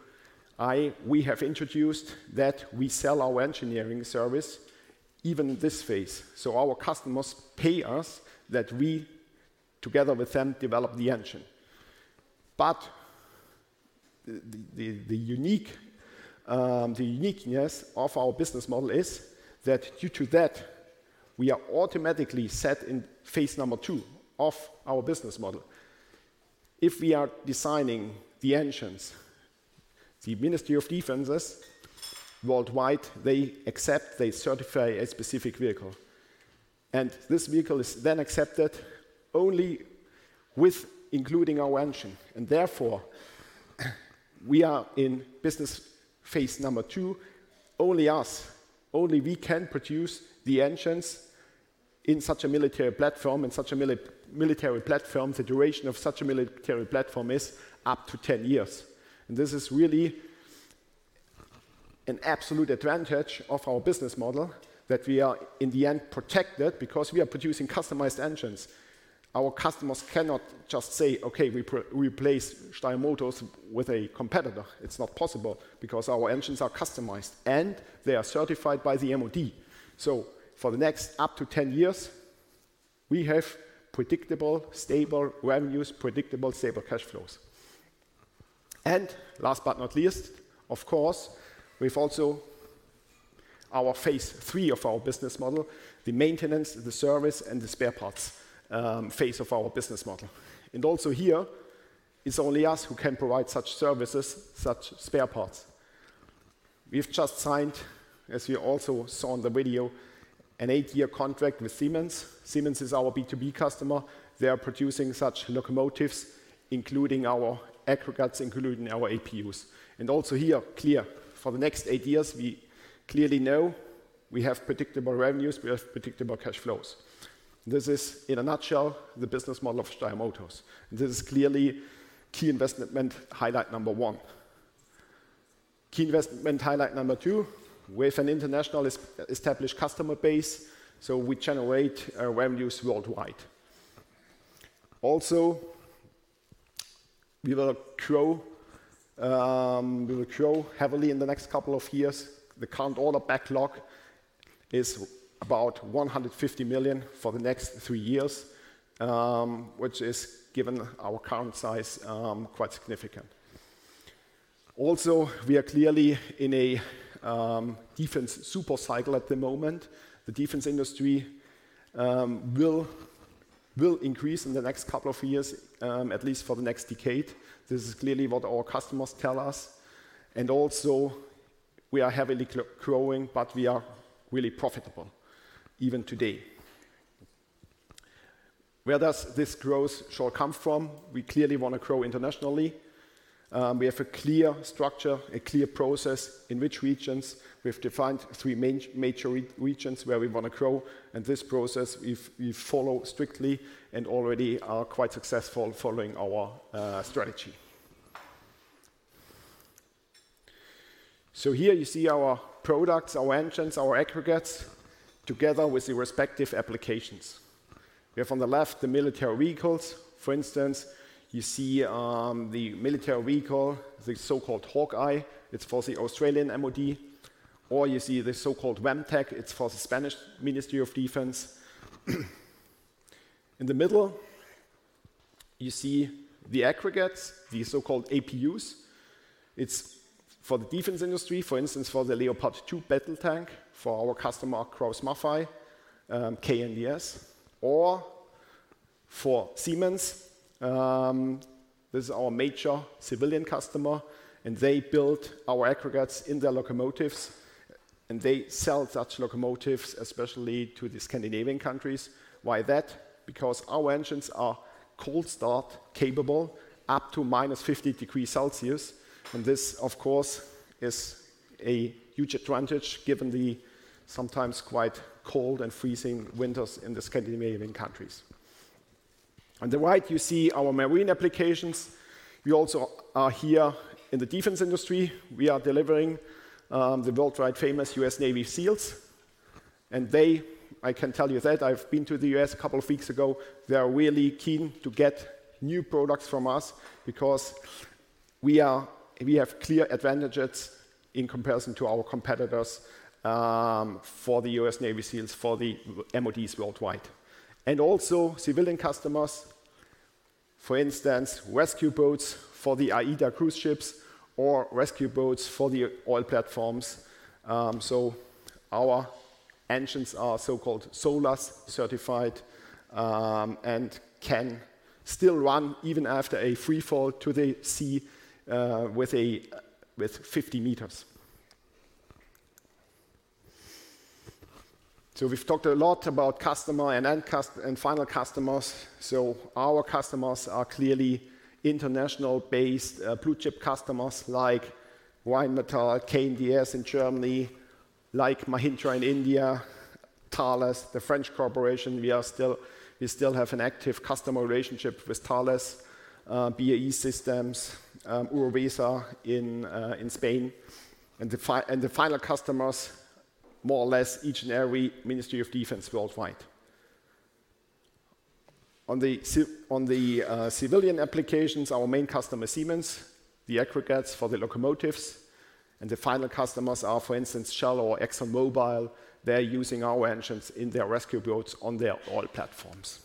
we have introduced, that we sell our engineering service, even this phase. So our customers pay us, that we, together with them, develop the engine. But the uniqueness of our business model is that due to that, we are automatically set in phase number two of our business model. If we are designing the engines, the Ministries of Defense worldwide accept, they certify a specific vehicle, and this vehicle is then accepted only with including our engine. And therefore, we are in business phase number two, only us, only we can produce the engines in such a military platform, in such a military platform. The duration of such a military platform is up to 10 years. And this is really an absolute advantage of our business model, that we are, in the end, protected because we are producing customized engines. Our customers cannot just say, "Okay, we replace Steyr Motors with a competitor." It's not possible, because our engines are customized, and they are certified by the MoD. So for the next up to 10 years, we have predictable, stable revenues, predictable, stable cash flows. And last but not least, of course, we've also our phase three of our business model, the maintenance, the service, and the spare parts, phase of our business model. And also here, it's only us who can provide such services, such spare parts. We've just signed, as you also saw in the video, an eight-year contract with Siemens. Siemens is our B2B customer. They are producing such locomotives, including our aggregates, including our APUs. And also here, clear, for the next eight years, we clearly know we have predictable revenues, we have predictable cash flows. This is, in a nutshell, the business model of Steyr Motors, and this is clearly key investment highlight number one. Key investment highlight number two, we have an international established customer base, so we generate our revenues worldwide. Also, we will grow, we will grow heavily in the next couple of years. The current order backlog is about 150 million for the next three years, which is, given our current size, quite significant. Also, we are clearly in a defense super cycle at the moment. The defense industry will increase in the next couple of years, at least for the next decade. This is clearly what our customers tell us. And also, we are heavily growing, but we are really profitable, even today. Where does this growth shall come from? We clearly want to grow internationally. We have a clear structure, a clear process in which regions. We have defined three major regions where we want to grow, and this process, we follow strictly and already are quite successful following our strategy. So here you see our products, our engines, our aggregates, together with the respective applications. We have on the left, the military vehicles. For instance, you see, the military vehicle, the so-called Hawkei. It's for the Australian MoD. Or you see the so-called VAMTAC, it's for the Spanish Ministry of Defense. In the middle, you see the aggregates, the so-called APUs. It's for the defense industry, for instance, for the Leopard 2 battle tank, for our customer, Krauss-Maffei, KNDS, or for Siemens. This is our major civilian customer, and they build our aggregates in their locomotives, and they sell such locomotives, especially to the Scandinavian countries. Why that? Because our engines are cold start capable, up to minus fifty degrees Celsius, and this, of course, is a huge advantage, given the sometimes quite cold and freezing winters in the Scandinavian countries. On the right, you see our marine applications. We also are here in the defense industry. We are delivering the worldwide famous U.S. Navy SEALs, and they, I can tell you that I've been to the U.S. a couple of weeks ago, they are really keen to get new products from us because we have clear advantages in comparison to our competitors for the U.S. Navy SEALs, for the MoDs worldwide. And also civilian customers for instance, rescue boats for the AIDA cruise ships or rescue boats for the oil platforms. Our engines are so-called SOLAS certified, and can still run even after a free fall to the sea with 50 meters. We've talked a lot about customer and end and final customers. Our customers are clearly international-based, blue-chip customers like Rheinmetall, KNDS in Germany, like Mahindra in India, Thales, the French corporation. We still have an active customer relationship with Thales, BAE Systems, UROVESA in Spain, and the final customers, more or less, each and every ministry of defense worldwide. On the civilian applications, our main customer, Siemens, the aggregates for the locomotives, and the final customers are, for instance, Shell or ExxonMobil. They're using our engines in their rescue boats on their oil platforms.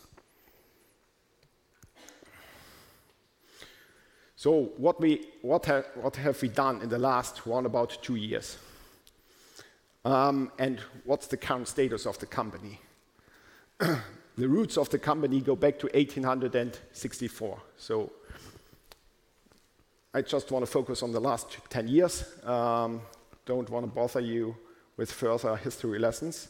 What have we done in the last about two years? And what's the current status of the company? The roots of the company go back to eighteen hundred and sixty-four. I just want to focus on the last 10 years. Don't want to bother you with further history lessons.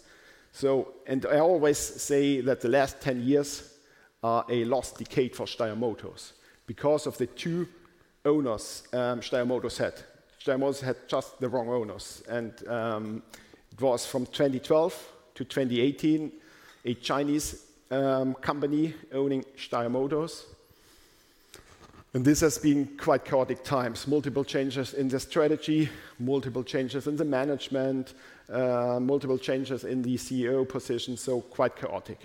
I always say that the last 10 years are a lost decade for Steyr Motors because of the two owners Steyr Motors had. Steyr Motors had just the wrong owners, and it was from 2012 to 2018, a Chinese company owning Steyr Motors. This has been quite chaotic times. Multiple changes in the strategy, multiple changes in the management, multiple changes in the CEO position, so quite chaotic.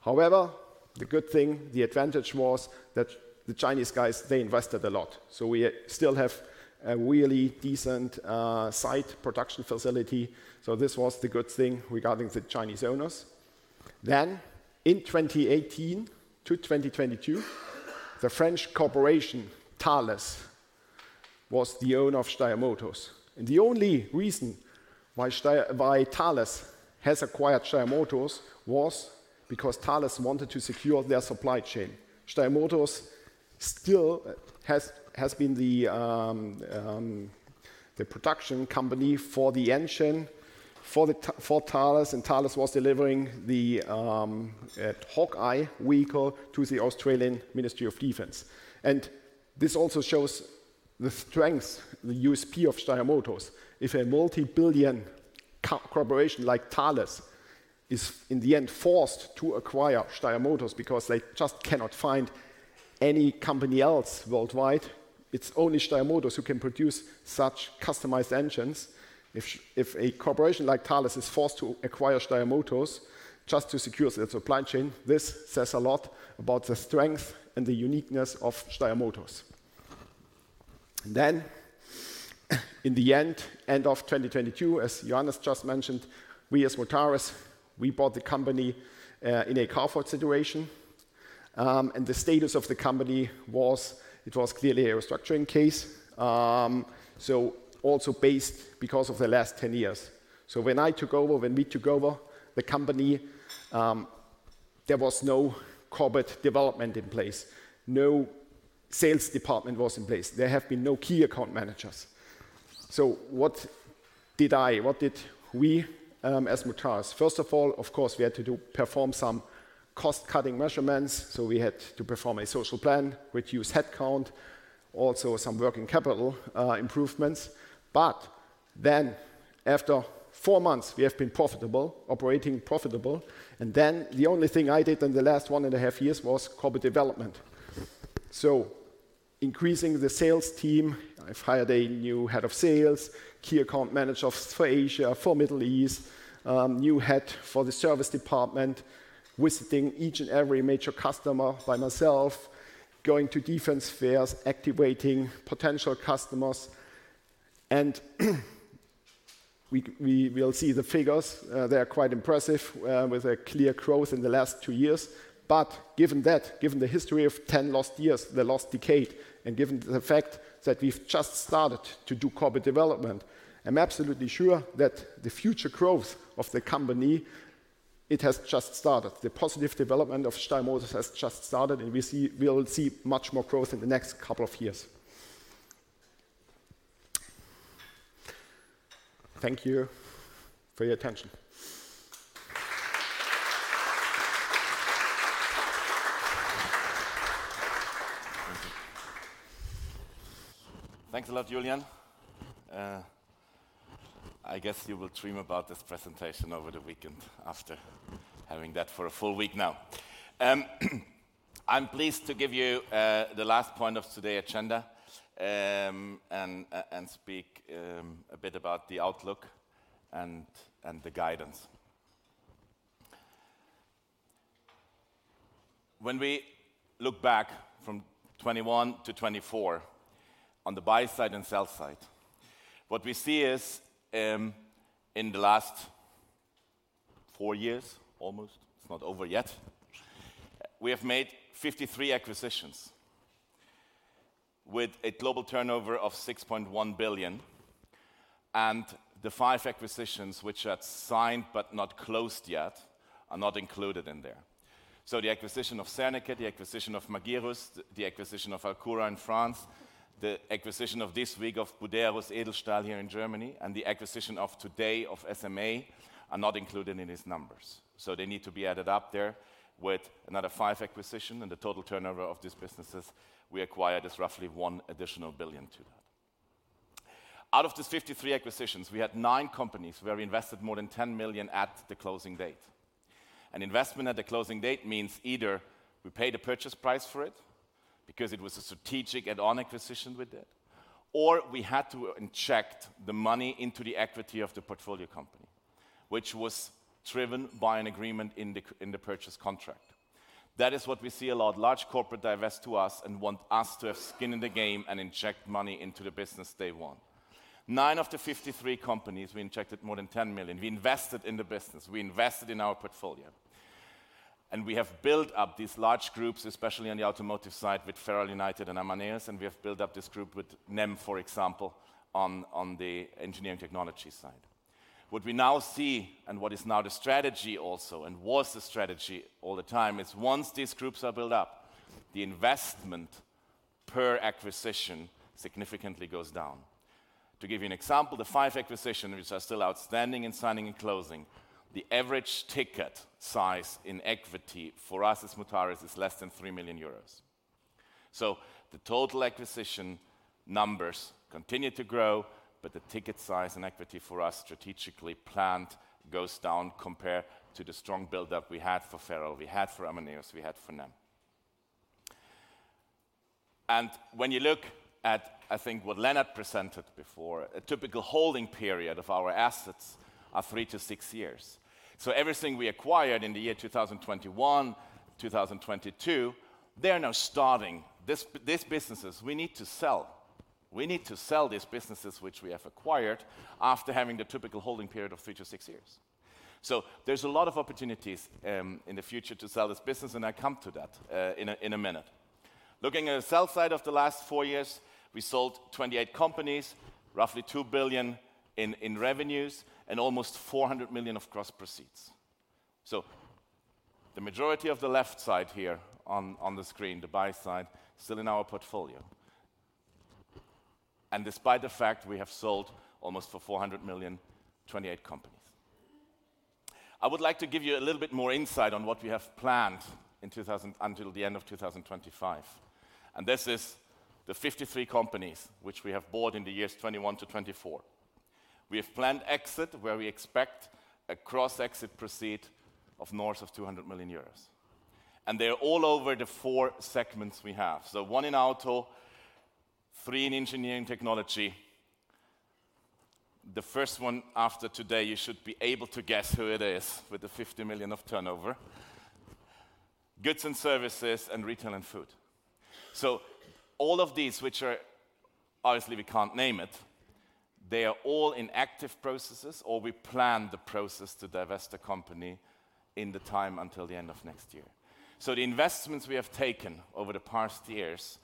However, the good thing, the advantage, was that the Chinese guys, they invested a lot, so we still have a really decent state-of-the-art production facility. This was the good thing regarding the Chinese owners. In 2018 to 2022, the French corporation Thales was the owner of Steyr Motors, and the only reason why Thales has acquired Steyr Motors was because Thales wanted to secure their supply chain. Steyr Motors still has been the production company for the engine for Thales, and Thales was delivering the Hawkei vehicle to the Australian Ministry of Defense. And this also shows the strength, the USP, of Steyr Motors. If a multi-billion corporation like Thales is, in the end, forced to acquire Steyr Motors because they just cannot find any company else worldwide, it's only Steyr Motors who can produce such customized engines. If a corporation like Thales is forced to acquire Steyr Motors just to secure their supply chain, this says a lot about the strength and the uniqueness of Steyr Motors. Then, at the end of 2022, as Johannes just mentioned, we as Mutares, we bought the company in a carve-out situation. The status of the company was, it was clearly a restructuring case. So also based because of the last ten years. When I took over, when we took over the company, there was no corporate development in place, no sales department was in place. There have been no key account managers. What did I, what did we, as Mutares? First of all, of course, we had to do, perform some cost-cutting measurements. So we had to perform a social plan, reduce headcount, also some working capital improvements. But then, after four months, we have been profitable, operating profitable, and then the only thing I did in the last one and a half years was corporate development. So increasing the sales team, I've hired a new head of sales, key account managers for Asia, for Middle East, new head for the service department, visiting each and every major customer by myself, going to defense fairs, activating potential customers. And we will see the figures. They are quite impressive, with a clear growth in the last two years. But given that, given the history of 10 lost years, the lost decade, and given the fact that we've just started to do corporate development, I'm absolutely sure that the future growth of the company, it has just started. The positive development of Steyr Motors has just started, and we see we will see much more growth in the next couple of years. Thank you for your attention. Thanks a lot, Julian. You will dream about this presentation over the weekend after having that for a full week now. I'm pleased to give you the last point of today's agenda, and speak a bit about the outlook and the guidance. When we look back from 2021 to 2024, on the buy side and sell side, what we see is, in the four years, almost. It's not over yet. We have made 53 acquisitions with a global turnover of 6.1 billion, and the five acquisitions which are signed but not closed yet are not included in there. The acquisition of Serneke, the acquisition of Magirus, the acquisition of Alcura in France, the acquisition of this week of Buderus Edelstahl here in Germany, and the acquisition of today of SMA are not included in these numbers. So they need to be added up there with another five acquisition, and the total turnover of these businesses we acquired is roughly 1 billion additional to that. Out of these 53 acquisitions, we had nine companies where we invested more than 10 million at the closing date. An investment at the closing date means either we paid a purchase price for it because it was a strategic add-on acquisition we did, or we had to inject the money into the equity of the portfolio company, which was driven by an agreement in the, in the purchase contract. That is what we see a lot. Large corporates divest to us and want us to have skin in the game and inject money into the business Day 1. In nine of the 53 companies, we injected more than 10 million. We invested in the business, we invested in our portfolio. We have built up these large groups, especially on the automotive side, with FerrAI United and Amaneos, and we have built up this group with NEM, for example, on the engineering technology side. What we now see and what is now the strategy also, and was the strategy all the time, is once these groups are built up, the investment per acquisition significantly goes down. To give you an example, the 5 acquisitions, which are still outstanding in signing and closing, the average ticket size in equity for us as Mutares is less than 3 million euros. The total acquisition numbers continue to grow, but the ticket size and equity for us strategically planned goes down compared to the strong build-up we had for Ferro, we had for Amaneos, we had for NEM. When you look at what Lennart presented before, a typical holding period of our assets are three to six years. Everything we acquired in the year 2021, 2022, they are now maturing. These businesses we need to sell. We need to sell these businesses which we have acquired after having the typical holding period of three to six years. There's a lot of opportunities in the future to sell this business, and I come to that in a minute. Looking at the sell side of the last four years, we sold 28 companies, roughly 2 billion in revenues, and almost 400 million EUR of gross proceeds, so the majority of the left side here on the screen, the buy side, still in our portfolio, and despite the fact we have sold almost for 400 million, 28 companies, I would like to give you a little bit more insight on what we have planned in 2000 until the end of 2025, and this is the 53 companies which we have bought in the years 2021 to 2024. We have planned exit, where we expect a gross exit proceed of north of 200 million euros, and they are all over the 4 segments we have, so one in auto, three in engineering technology. The first one after today, you should be able to guess who it is with the 50 million of turnover. Goods and services and retail and food. So all of these, which are obviously, we can't name it. They are all in active processes, or we plan the process to divest the company in the time until the end of next year. So the investments we have taken over the past years,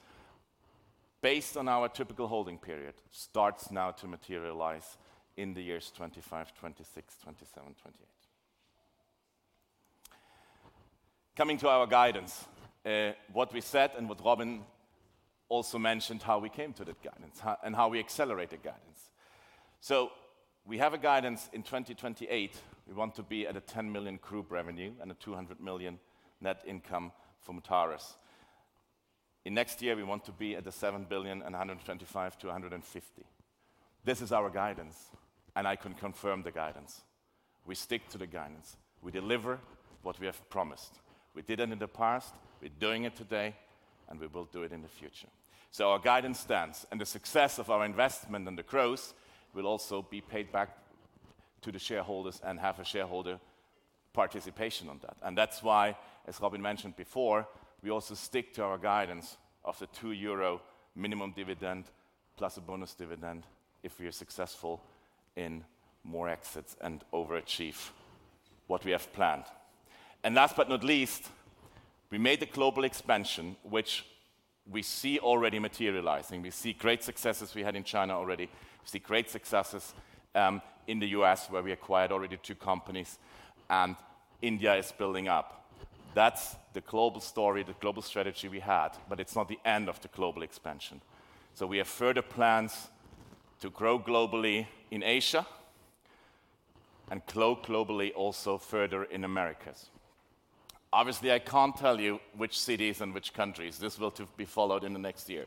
based on our typical holding period, starts now to materialize in the years 2025, 2026, 2027, 2028. Coming to our guidance, what we said and what Robin also mentioned, how we came to that guidance, how and how we accelerate the guidance. So we have a guidance in 2028, we want to be at a 10 million group revenue and a 200 million net income for Mutares. In next year, we want to be at the 7 billion and 125-150. This is our guidance, and I can confirm the guidance. We stick to the guidance. We deliver what we have promised. We did it in the past, we're doing it today, and we will do it in the future, so our guidance stands, and the success of our investment and the growth will also be paid back to the shareholders and have a shareholder participation on that, and that's why, as Robin mentioned before, we also stick to our guidance of the 2 euro minimum dividend, plus a bonus dividend if we are successful in more exits and overachieve what we have planned, and last but not least, we made the global expansion, which we see already materializing. We see great successes we had in China already. We see great successes in the U.S., where we acquired already two companies and India is building up. That's the global story, the global strategy we had, but it's not the end of the global expansion. So we have further plans to grow globally in Asia and grow globally also further in Americas. Obviously, I can't tell you which cities and which countries. This will be followed in the next year.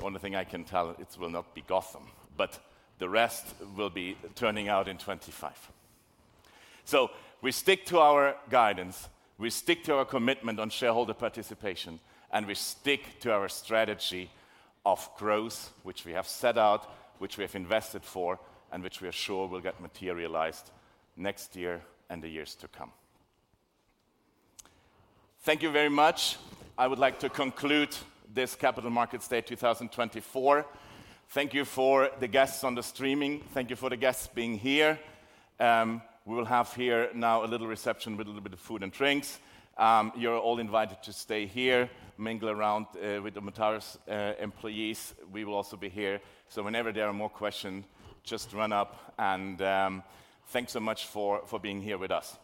Only thing I can tell, it will not be Gotham, but the rest will be turning out in 2025. So we stick to our guidance, we stick to our commitment on shareholder participation, and we stick to our strategy of growth, which we have set out, which we have invested for, and which we are sure will get materialized next year and the years to come. Thank you very much. I would like to conclude this Capital Markets Day 2024. Thank you for the guests on the streaming. Thank you for the guests being here. We will have here now a little reception with a little bit of food and drinks. You're all invited to stay here, mingle around with the Mutares employees. We will also be here, so whenever there are more questions, just run up and thanks so much for being here with us.